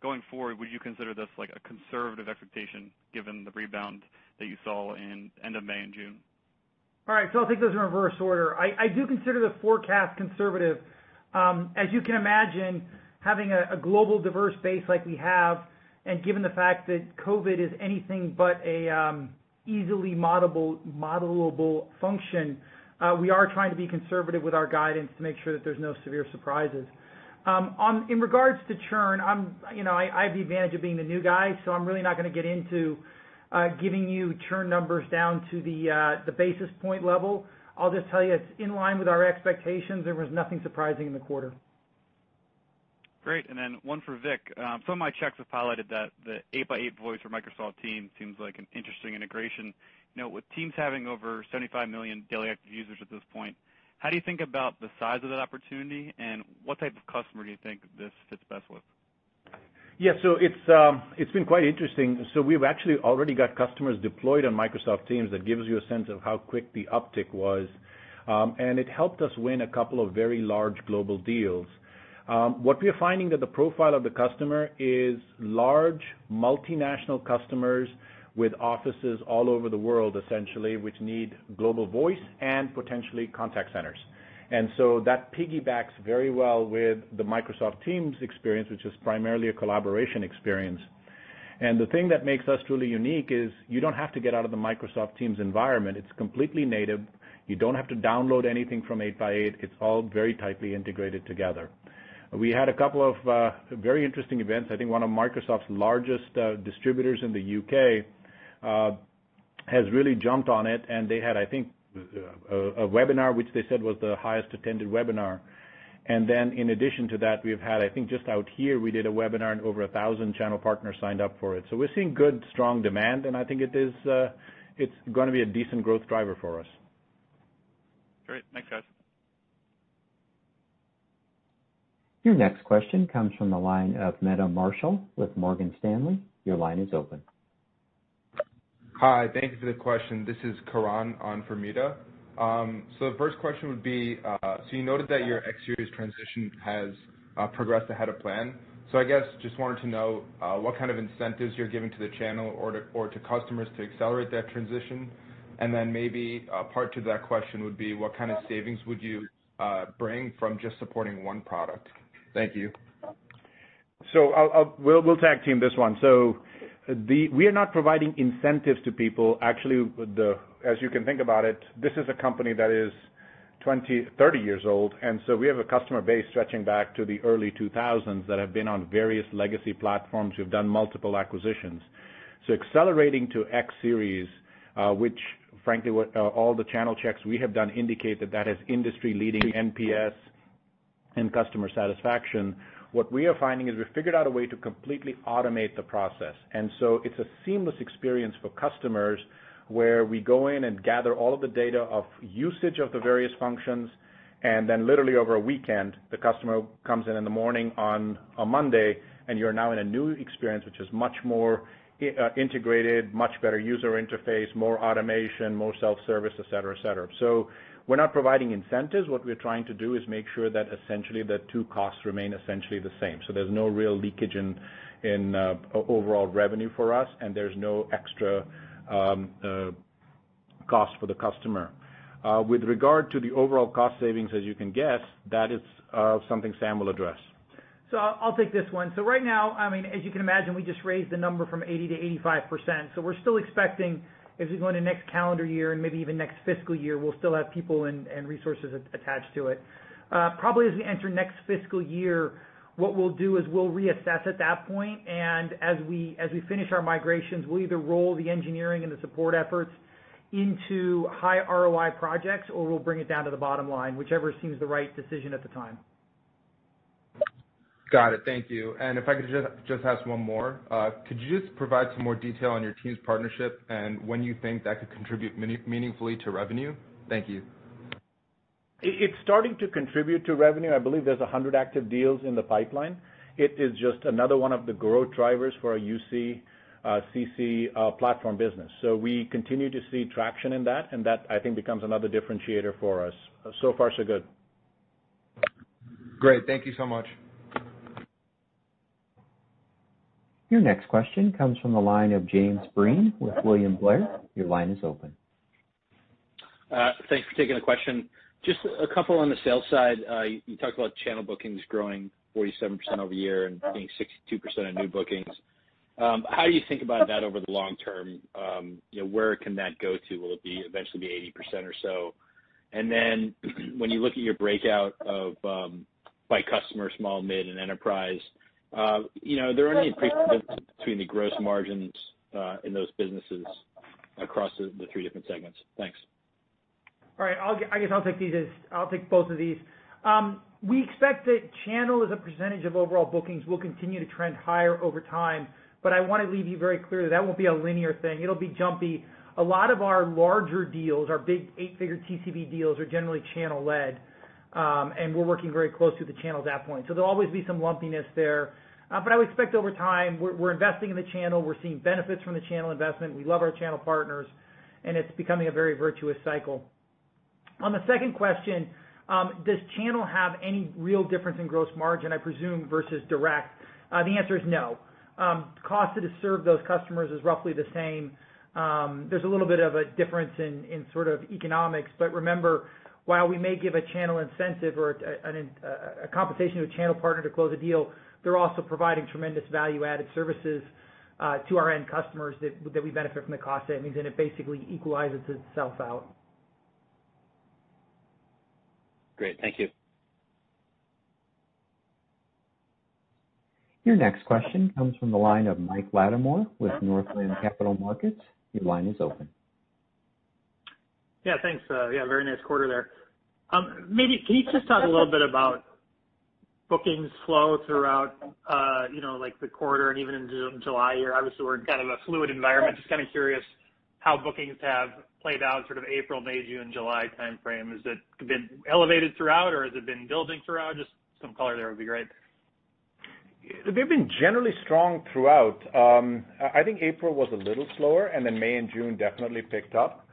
Going forward, would you consider this a conservative expectation given the rebound that you saw in end of May and June? All right. I'll take those in reverse order. I do consider the forecast conservative. As you can imagine, having a global diverse base like we have, and given the fact that COVID is anything but a easily modulable function, we are trying to be conservative with our guidance to make sure that there's no severe surprises. In regards to churn, I have the advantage of being the new guy, I'm really not going to get into giving you churn numbers down to the basis point level. I'll just tell you it's in line with our expectations. There was nothing surprising in the quarter. Great. One for Vik. Some of my checks have highlighted that the 8x8 Voice for Microsoft Teams seems like an interesting integration. Now with Teams having over 75 million daily active users at this point, how do you think about the size of that opportunity, and what type of customer do you think this fits best with? Yeah. It's been quite interesting. We've actually already got customers deployed on Microsoft Teams. That gives you a sense of how quick the uptick was. It helped us win a couple of very large global deals. What we're finding that the profile of the customer is large, multinational customers with offices all over the world, essentially, which need global voice and potentially contact centers. That piggybacks very well with the Microsoft Teams experience, which is primarily a collaboration experience. The thing that makes us truly unique is you don't have to get out of the Microsoft Teams environment. It's completely native. You don't have to download anything from 8x8. It's all very tightly integrated together. We had a couple of very interesting events. I think one of Microsoft's largest distributors in the U.K. has really jumped on it, and they had, I think, a webinar, which they said was the highest attended webinar. In addition to that, we've had, I think just out here, we did a webinar and over 1,000 channel partners signed up for it. We're seeing good, strong demand, and I think it's going to be a decent growth driver for us. Great. Thanks, guys. Your next question comes from the line of Meta Marshall with Morgan Stanley. Your line is open. Hi, thank you for the question. This is Karan on for Meta. The first question would be, you noted that your X Series transition has progressed ahead of plan. I guess just wanted to know what kind of incentives you're giving to the channel or to customers to accelerate that transition, and then maybe a part to that question would be, what kind of savings would you bring from just supporting one product? Thank you. We'll tag team this one. We are not providing incentives to people. Actually, as you can think about it, this is a company that is 30 years old, and so we have a customer base stretching back to the early 2000s that have been on various legacy platforms. We've done multiple acquisitions. Accelerating to X Series, which frankly, all the channel checks we have done indicate that that has industry-leading NPS and customer satisfaction. What we are finding is we figured out a way to completely automate the process. It's a seamless experience for customers where we go in and gather all of the data of usage of the various functions, and then literally over a weekend, the customer comes in in the morning on a Monday, and you're now in a new experience, which is much more integrated, much better user interface, more automation, more self-service, et cetera. We're not providing incentives. What we're trying to do is make sure that essentially the two costs remain essentially the same. There's no real leakage in overall revenue for us, and there's no extra cost for the customer. With regard to the overall cost savings, as you can guess, that is something Sam will address. I'll take this one. Right now, as you can imagine, we just raised the number from 80% to 85%. We're still expecting as we go into next calendar year and maybe even next fiscal year, we'll still have people and resources attached to it. Probably as we enter next fiscal year, what we'll do is we'll reassess at that point, and as we finish our migrations, we'll either roll the engineering and the support efforts into high ROI projects, or we'll bring it down to the bottom line, whichever seems the right decision at the time. Got it. Thank you. If I could just ask one more. Could you just provide some more detail on your Microsoft Teams partnership and when you think that could contribute meaningfully to revenue? Thank you. It's starting to contribute to revenue. I believe there's 100 active deals in the pipeline. It is just another one of the growth drivers for our UC-CC platform business. We continue to see traction in that, and that, I think, becomes another differentiator for us. So far, so good. Great. Thank you so much. Your next question comes from the line of James Breen with William Blair. Your line is open. Thanks for taking the question. Just a couple on the sales side. You talked about channel bookings growing 47% over year and being 62% of new bookings. How do you think about that over the long term? Where can that go to? Will it eventually be 80% or so? When you look at your breakout by customer, small, mid, and enterprise, there are only pretty differences between the gross margins in those businesses across the three different segments. Thanks. All right. I guess I'll take both of these. We expect that channel, as a percentage of overall bookings, will continue to trend higher over time. I want to leave you very clear that won't be a linear thing. It'll be jumpy. A lot of our larger deals, our big eight-figure TCV deals, are generally channel led. We're working very close to the channel at that point. There'll always be some lumpiness there. I would expect over time, we're investing in the channel, we're seeing benefits from the channel investment. We love our channel partners, and it's becoming a very virtuous cycle. On the second question, does channel have any real difference in gross margin, I presume, versus direct? The answer is no. Cost to serve those customers is roughly the same. There's a little bit of a difference in sort of economics, but remember, while we may give a channel incentive or a compensation to a channel partner to close a deal, they're also providing tremendous value-added services to our end customers that we benefit from the cost savings, and it basically equalizes itself out. Great. Thank you. Your next question comes from the line of Mike Latimore with Northland Capital Markets. Your line is open. Yeah, thanks. Yeah, very nice quarter there. Maybe can you just talk a little bit about bookings flow throughout the quarter and even into July here? Obviously, we're in kind of a fluid environment. Just kind of curious how bookings have played out sort of April, May, June, July timeframe. Has it been elevated throughout, or has it been building throughout? Just some color there would be great. They've been generally strong throughout. I think April was a little slower, and then May and June definitely picked up.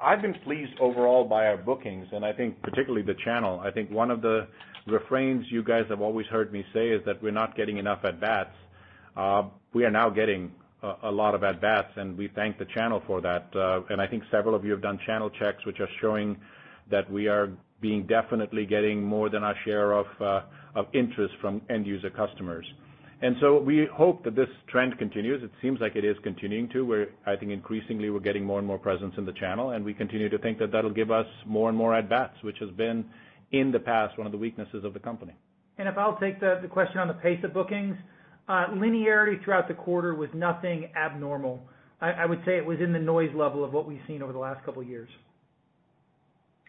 I've been pleased overall by our bookings, and I think particularly the channel. I think one of the refrains you guys have always heard me say is that we're not getting enough at-bats. We are now getting a lot of at-bats, and we thank the channel for that. I think several of you have done channel checks, which are showing that we are definitely getting more than our share of interest from end user customers. We hope that this trend continues. It seems like it is continuing to, where I think increasingly we're getting more and more presence in the channel, and we continue to think that that'll give us more and more at-bats, which has been, in the past, one of the weaknesses of the company. If I'll take the question on the pace of bookings. Linearity throughout the quarter was nothing abnormal. I would say it was in the noise level of what we've seen over the last couple of years.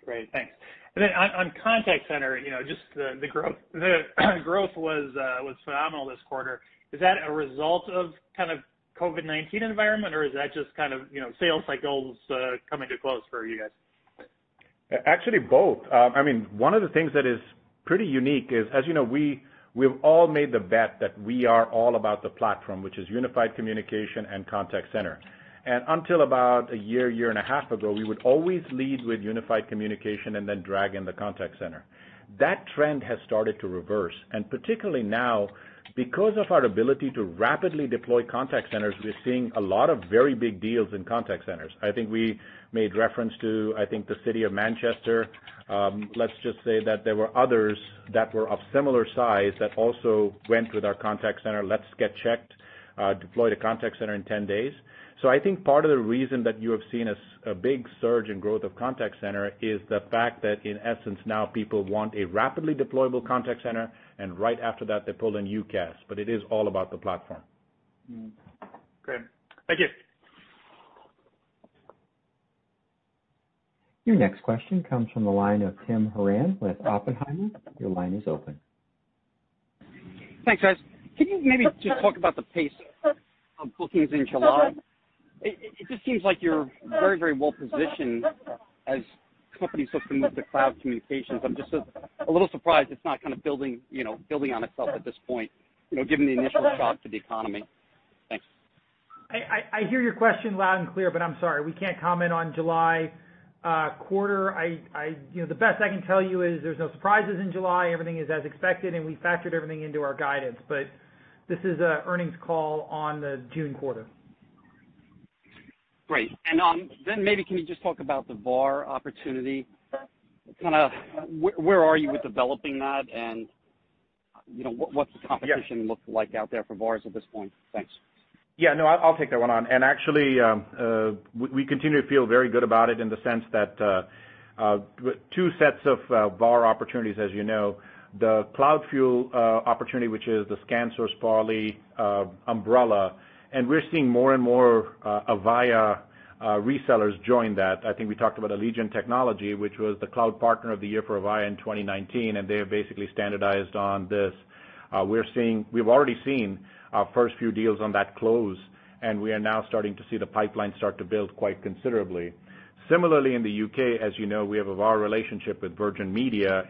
Great. Thanks. Then on contact center, just the growth was phenomenal this quarter. Is that a result of kind of COVID-19 environment, or is that just kind of sales cycles coming to close for you guys? Actually, both. One of the things that is pretty unique is, as you know, we've all made the bet that we are all about the platform, which is unified communication and contact center. Until about a year and a half ago, we would always lead with unified communication and then drag in the contact center. Particularly now because of our ability to rapidly deploy contact centers, we're seeing a lot of very big deals in contact centers. I think we made reference to, I think, the city of Manchester. Let's just say that there were others that were of similar size that also went with our contact center, LetsGetChecked, deployed a contact center in 10 days. I think part of the reason that you have seen a big surge in growth of contact center is the fact that, in essence, now people want a rapidly deployable contact center, and right after that, they pull in UCaaS. It is all about the platform. Great. Thank you. Your next question comes from the line of Tim Horan with Oppenheimer. Your line is open. Thanks, guys. Can you maybe just talk about the pace of bookings in July? It just seems like you're very well-positioned as companies look to move to cloud communications. I'm just a little surprised it's not kind of building on itself at this point given the initial shock to the economy. Thanks. I hear your question loud and clear, but I'm sorry. We can't comment on July quarter. The best I can tell you is there's no surprises in July. Everything is as expected, and we factored everything into our guidance. This is an earnings call on the June quarter. Great. Then maybe can you just talk about the VAR opportunity? Where are you with developing that, and what's the competition look like out there for VARs at this point? Thanks. Yeah, no, I'll take that one on. Actually, we continue to feel very good about it in the sense that two sets of VAR opportunities, as you know, the CloudFuel opportunity, which is the ScanSource, Poly umbrella, and we're seeing more and more Avaya resellers join that. I think we talked about Allegiant Technology, which was the cloud partner of the year for Avaya in 2019, they have basically standardized on this. We've already seen our first few deals on that close, we are now starting to see the pipeline start to build quite considerably. Similarly, in the U.K., as you know, we have a VAR relationship with Virgin Media,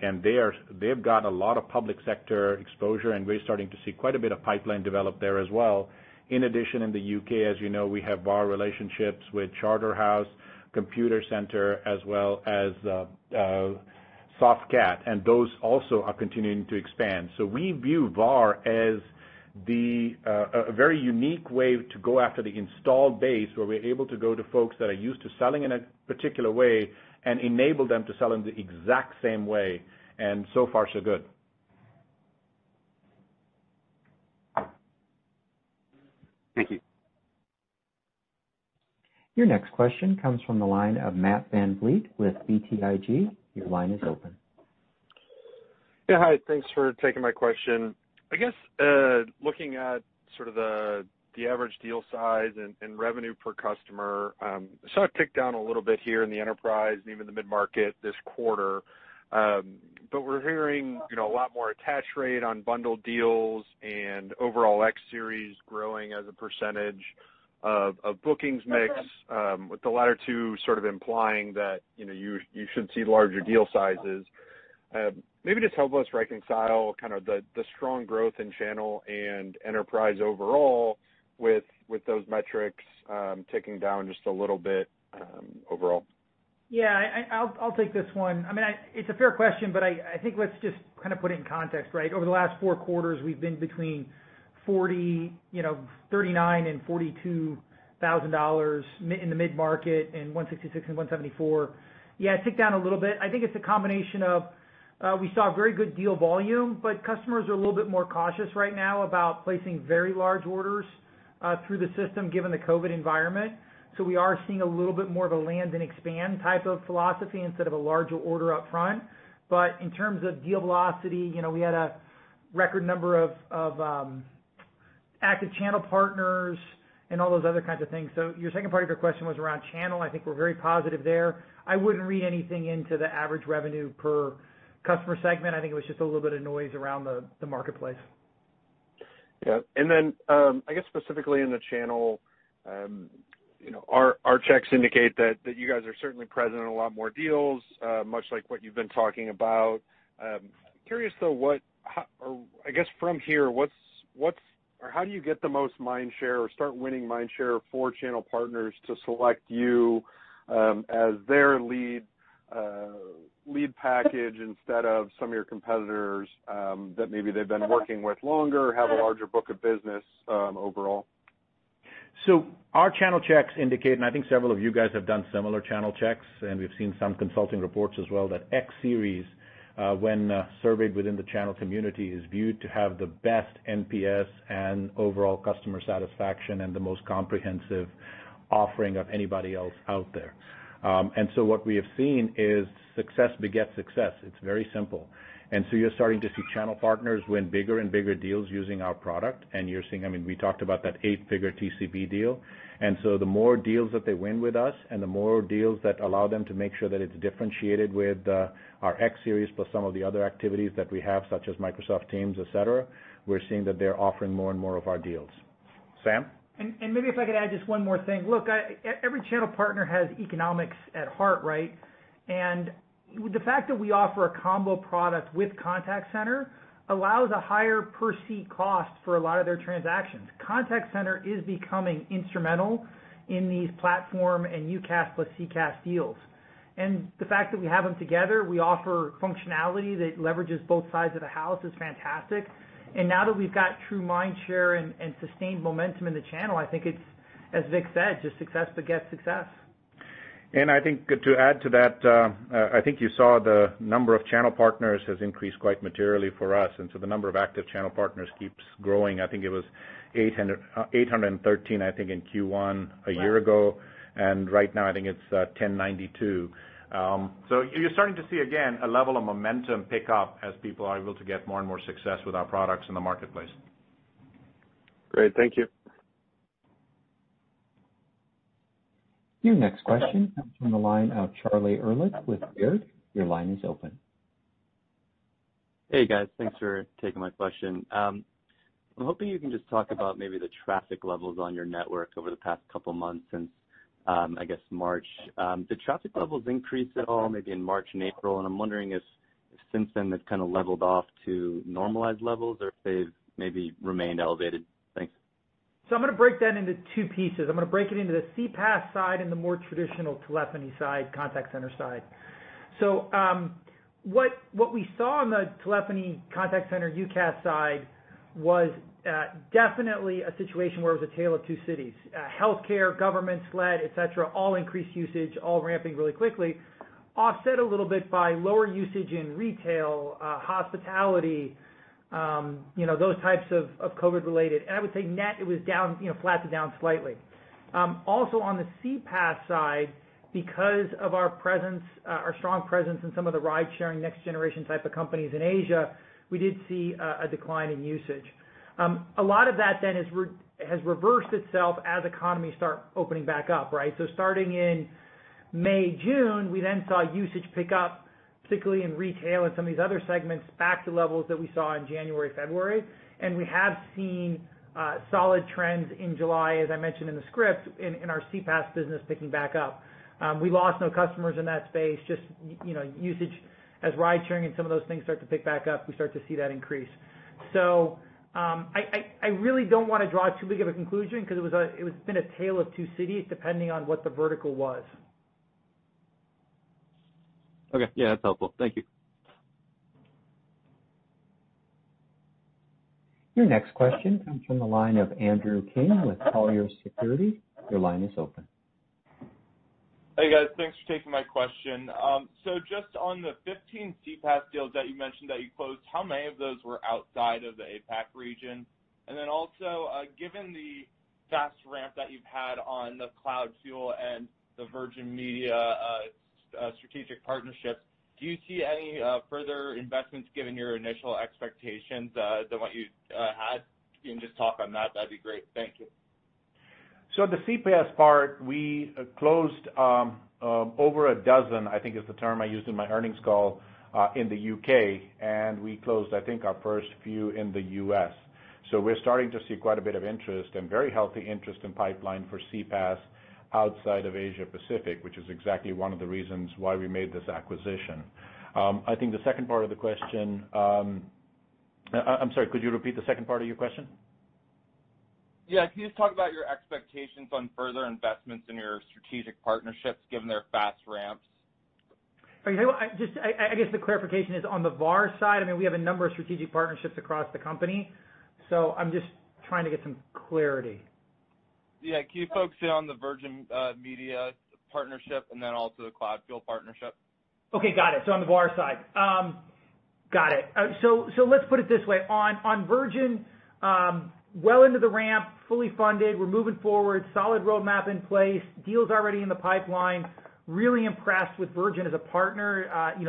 they've got a lot of public sector exposure, we're starting to see quite a bit of pipeline develop there as well. In addition, in the U.K., as you know, we have VAR relationships with Charterhouse, Computacenter, as well as Softcat, and those also are continuing to expand. We view VAR as a very unique way to go after the installed base, where we're able to go to folks that are used to selling in a particular way and enable them to sell in the exact same way, and so far, so good. Thank you. Your next question comes from the line of Matt VanVliet with BTIG. Your line is open. Yeah, hi. Thanks for taking my question. I guess, looking at sort of the average deal size and revenue per customer, saw it tick down a little bit here in the enterprise and even the mid-market this quarter. We're hearing a lot more attach rate on bundled deals and overall X Series growing as a percentage of bookings mix, with the latter two sort of implying that you should see larger deal sizes. Maybe just help us reconcile kind of the strong growth in channel and enterprise overall with those metrics ticking down just a little bit overall. Yeah, I'll take this one. It's a fair question. I think let's just kind of put it in context, right? Over the last four quarters, we've been between $39,000-$42,000 in the mid-market and $166,000-$174,000. Yeah, tick down a little bit. I think it's a combination of, we saw very good deal volume, but customers are a little bit more cautious right now about placing very large orders through the system, given the COVID-19 environment. We are seeing a little bit more of a land and expand type of philosophy instead of a larger order up front. In terms of deal velocity, we had a record number of active channel partners and all those other kinds of things. Your second part of your question was around channel. I think we're very positive there. I wouldn't read anything into the average revenue per customer segment. I think it was just a little bit of noise around the marketplace. Yeah. I guess specifically in the channel, our checks indicate that you guys are certainly present in a lot more deals, much like what you've been talking about. Curious though, I guess from here, how do you get the most mind share or start winning mind share for channel partners to select you as their lead package instead of some of your competitors that maybe they've been working with longer or have a larger book of business overall? Our channel checks indicate, and I think several of you guys have done similar channel checks, and we've seen some consulting reports as well, that X Series, when surveyed within the channel community, is viewed to have the best NPS and overall customer satisfaction and the most comprehensive offering of anybody else out there. What we have seen is success begets success. It's very simple. You're starting to see channel partners win bigger and bigger deals using our product. You're seeing, we talked about that eight-figure TCV deal. The more deals that they win with us and the more deals that allow them to make sure that it's differentiated with our X Series, plus some of the other activities that we have, such as Microsoft Teams, et cetera, we're seeing that they're offering more and more of our deals. Sam? Maybe if I could add just one more thing. Look, every channel partner has economics at heart, right? The fact that we offer a combo product with contact center allows a higher per seat cost for a lot of their transactions. Contact center is becoming instrumental in these platform and UCaaS plus CCaaS deals. The fact that we have them together, we offer functionality that leverages both sides of the house is fantastic. Now that we've got true mind share and sustained momentum in the channel, I think it's, as Vik said, just success begets success. I think to add to that, I think you saw the number of channel partners has increased quite materially for us. The number of active channel partners keeps growing. I think it was 813, I think, in Q1 a year ago, and right now I think it's 1,092. You're starting to see, again, a level of momentum pick up as people are able to get more and more success with our products in the marketplace. Great. Thank you. Your next question comes from the line of Charlie Erlikh with Baird. Your line is open. Hey, guys. Thanks for taking my question. I'm hoping you can just talk about maybe the traffic levels on your network over the past couple of months since, I guess, March? Did traffic levels increase at all maybe in March and April? I'm wondering if since then they've kind of leveled off to normalized levels or if they've maybe remained elevated? Thanks. I'm going to break that into two pieces. I'm going to break it into the CPaaS side and the more traditional telephony side, contact center side. What we saw on the telephony contact center UCaaS side was definitely a situation where it was a tale of two cities. Healthcare, government, SLED, et cetera, all increased usage, all ramping really quickly. Offset a little bit by lower usage in retail, hospitality, those types of COVID related. I would say net, it was flat to down slightly. Also on the CPaaS side, because of our strong presence in some of the ride sharing next generation type of companies in Asia, we did see a decline in usage. A lot of that then has reversed itself as economies start opening back up. Starting in May, June, we then saw usage pick up, particularly in retail and some of these other segments back to levels that we saw in January, February. We have seen solid trends in July, as I mentioned in the script, in our CPaaS business picking back up. We lost no customers in that space, just usage as ride sharing and some of those things start to pick back up, we start to see that increase. I really don't want to draw too big of a conclusion because it has been a tale of two cities depending on what the vertical was. Okay. Yeah, that's helpful. Thank you. Your next question comes from the line of Andrew King with Colliers Securities. Your line is open. Hey, guys. Thanks for taking my question. Just on the 15 CPaaS deals that you mentioned that you closed, how many of those were outside of the APAC region? Also, given the fast ramp that you've had on the CloudFuel and the Virgin Media strategic partnerships, do you see any further investments given your initial expectations than what you had? If you can just talk on that'd be great. Thank you. The CPaaS part, we closed over a dozen, I think is the term I used in my earnings call, in the U.K. We closed, I think, our first few in the U.S. We're starting to see quite a bit of interest and very healthy interest in pipeline for CPaaS outside of Asia Pacific, which is exactly one of the reasons why we made this acquisition. I think the second part of the question. I'm sorry, could you repeat the second part of your question? Yeah. Can you just talk about your expectations on further investments in your strategic partnerships, given their fast ramps? I guess the clarification is on the VAR side, we have a number of strategic partnerships across the company. I'm just trying to get some clarity. Can you focus in on the Virgin Media partnership and then also the CloudFuel partnership? Okay. Got it. On the VAR side. Got it. Let's put it this way. On Virgin, well into the ramp, fully funded. We're moving forward, solid roadmap in place. Deals already in the pipeline. Really impressed with Virgin as a partner.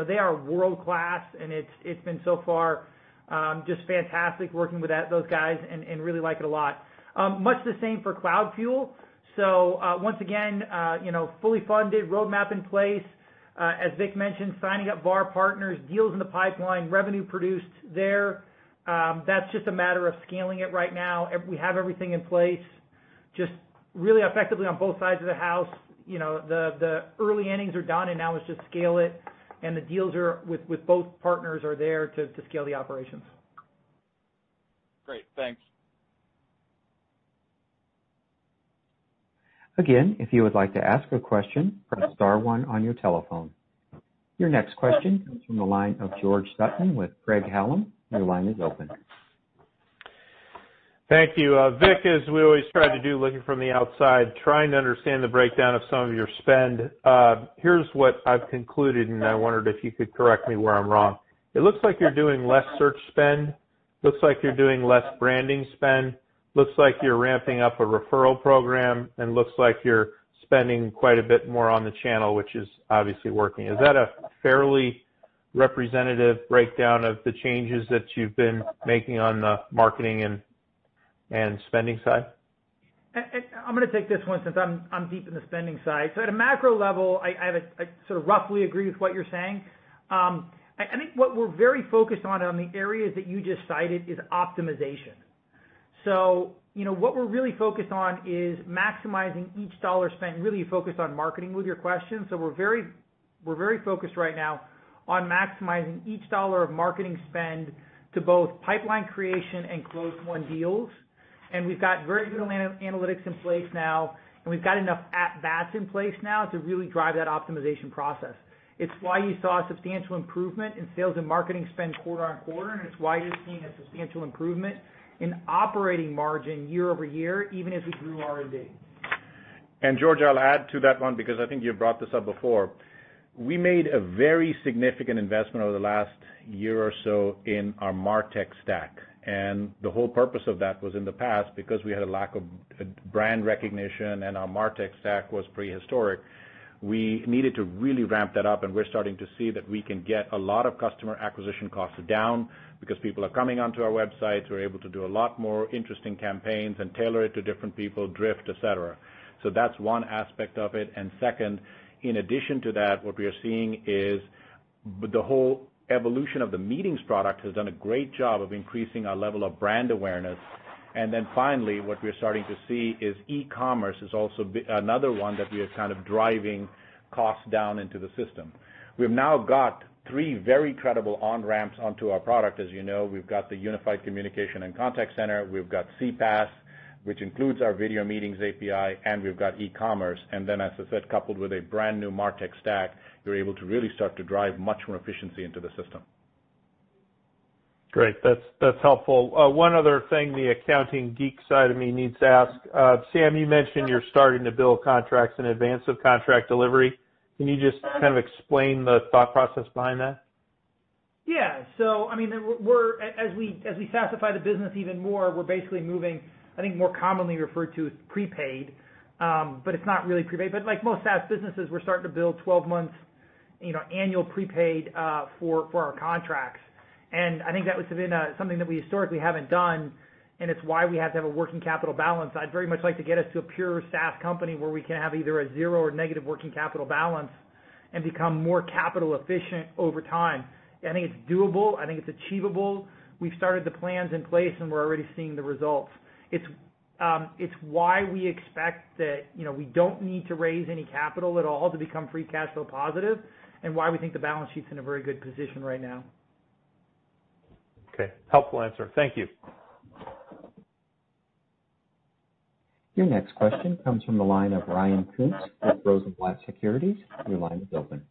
They are world-class, and it's been so far just fantastic working with those guys and really like it a lot. Much the same for CloudFuel. Once again, fully funded, roadmap in place. As Vik mentioned, signing up VAR partners, deals in the pipeline, revenue produced there. That's just a matter of scaling it right now. We have everything in place, just really effectively on both sides of the house. The early innings are done, and now it's just scale it, and the deals with both partners are there to scale the operations. Great. Thanks. Again, if you would like to ask a question, press star one on your telephone. Your next question comes from the line of George Sutton with Craig-Hallum. Your line is open. Thank you. Vik, as we always try to do, looking from the outside, trying to understand the breakdown of some of your spend. Here's what I've concluded, and I wondered if you could correct me where I'm wrong. It looks like you're doing less search spend, looks like you're doing less branding spend, looks like you're ramping up a referral program, and looks like you're spending quite a bit more on the channel, which is obviously working. Is that a fairly representative breakdown of the changes that you've been making on the marketing and spending side? I'm going to take this one since I'm deep in the spending side. At a macro level, I sort of roughly agree with what you're saying. I think what we're very focused on the areas that you just cited, is optimization. What we're really focused on is maximizing each dollar spent, and really focused on marketing with your question. We're very focused right now on maximizing each dollar of marketing spend to both pipeline creation and close won deals. We've got very good analytics in place now, and we've got enough at bats in place now to really drive that optimization process. It's why you saw a substantial improvement in sales and marketing spend quarter-over-quarter, and it's why you're seeing a substantial improvement in operating margin year-over-year, even as we grew R&D. George, I'll add to that one because I think you've brought this up before. We made a very significant investment over the last year or so in our martech stack, and the whole purpose of that was in the past, because we had a lack of brand recognition and our martech stack was prehistoric, we needed to really ramp that up, and we're starting to see that we can get a lot of customer acquisition costs down because people are coming onto our website. We're able to do a lot more interesting campaigns and tailor it to different people, Drift, et cetera. That's one aspect of it. Second, in addition to that, what we are seeing is the whole evolution of the meetings product has done a great job of increasing our level of brand awareness. Finally, what we're starting to see is e-commerce is also another one that we are kind of driving costs down into the system. We've now got three very credible on-ramps onto our product. As you know, we've got the unified communications and contact center, we've got CPaaS, which includes our 8x8 Meetings API, and we've got eCommerce. Then, as I said, coupled with a brand new martech stack, we're able to really start to drive much more efficiency into the system. Great. That's helpful. One other thing the accounting geek side of me needs to ask. Sam, you mentioned you're starting to bill contracts in advance of contract delivery. Can you just kind of explain the thought process behind that? As we SaaSify the business even more, we're basically moving, I think, more commonly referred to as prepaid, but it's not really prepaid. Like most SaaS businesses, we're starting to bill 12 months annual prepaid for our contracts. I think that has been something that we historically haven't done, and it's why we have to have a working capital balance. I'd very much like to get us to a pure SaaS company where we can have either a zero or negative working capital balance and become more capital efficient over time. I think it's doable. I think it's achievable. We've started the plans in place, and we're already seeing the results. It's why we expect that we don't need to raise any capital at all to become free cash flow positive, and why we think the balance sheet's in a very good position right now. Okay. Helpful answer. Thank you. Your next question comes from the line of Ryan Koontz with Rosenblatt Securities. Your line is open.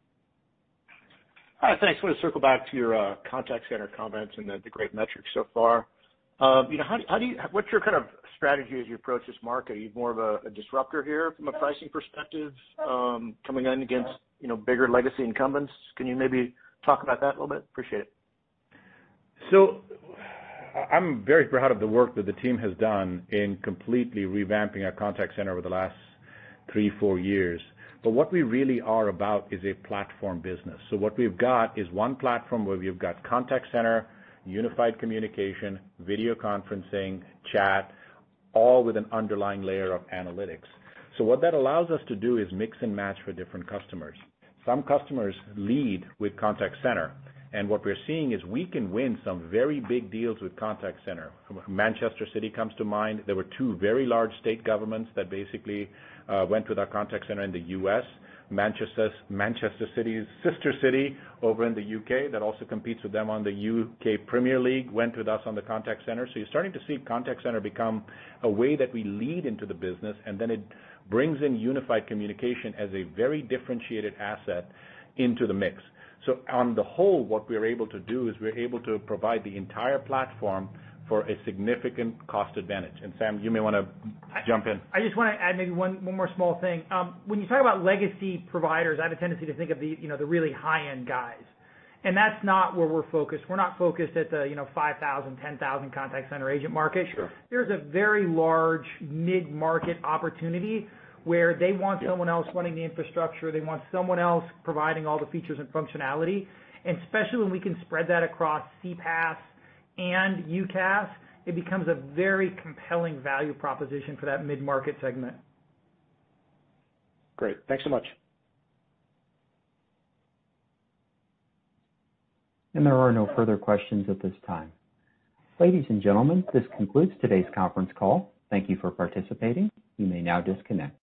Hi, thanks. I want to circle back to your contact center comments and the great metrics so far. What's your kind of strategy as you approach this market? Are you more of a disruptor here from a pricing perspective, coming in against bigger legacy incumbents? Can you maybe talk about that a little bit? Appreciate it. I'm very proud of the work that the team has done in completely revamping our contact center over the last three, four years. What we really are about is a platform business. What we've got is one platform where we've got contact center, unified communication, video conferencing, chat, all with an underlying layer of analytics. What that allows us to do is mix and match for different customers. Some customers lead with contact center, and what we're seeing is we can win some very big deals with contact center. Manchester City comes to mind. There were two very large state governments that basically went with our contact center in the U.S. Manchester City's sister city over in the U.K. that also competes with them on the U.K. Premier League, went with us on the contact center. You're starting to see contact center become a way that we lead into the business, and then it brings in Unified Communications as a very differentiated asset into the mix. On the whole, what we're able to do is we're able to provide the entire platform for a significant cost advantage. Sam, you may want to jump in. I just want to add maybe one more small thing. When you talk about legacy providers, I have a tendency to think of the really high-end guys, and that's not where we're focused. We're not focused at the 5,000, 10,000 contact center agent market. Sure. There's a very large mid-market opportunity where they want someone else running the infrastructure. They want someone else providing all the features and functionality. Especially when we can spread that across CPaaS and UCaaS, it becomes a very compelling value proposition for that mid-market segment. Great. Thanks so much. There are no further questions at this time. Ladies and gentlemen, this concludes today's conference call. Thank you for participating. You may now disconnect.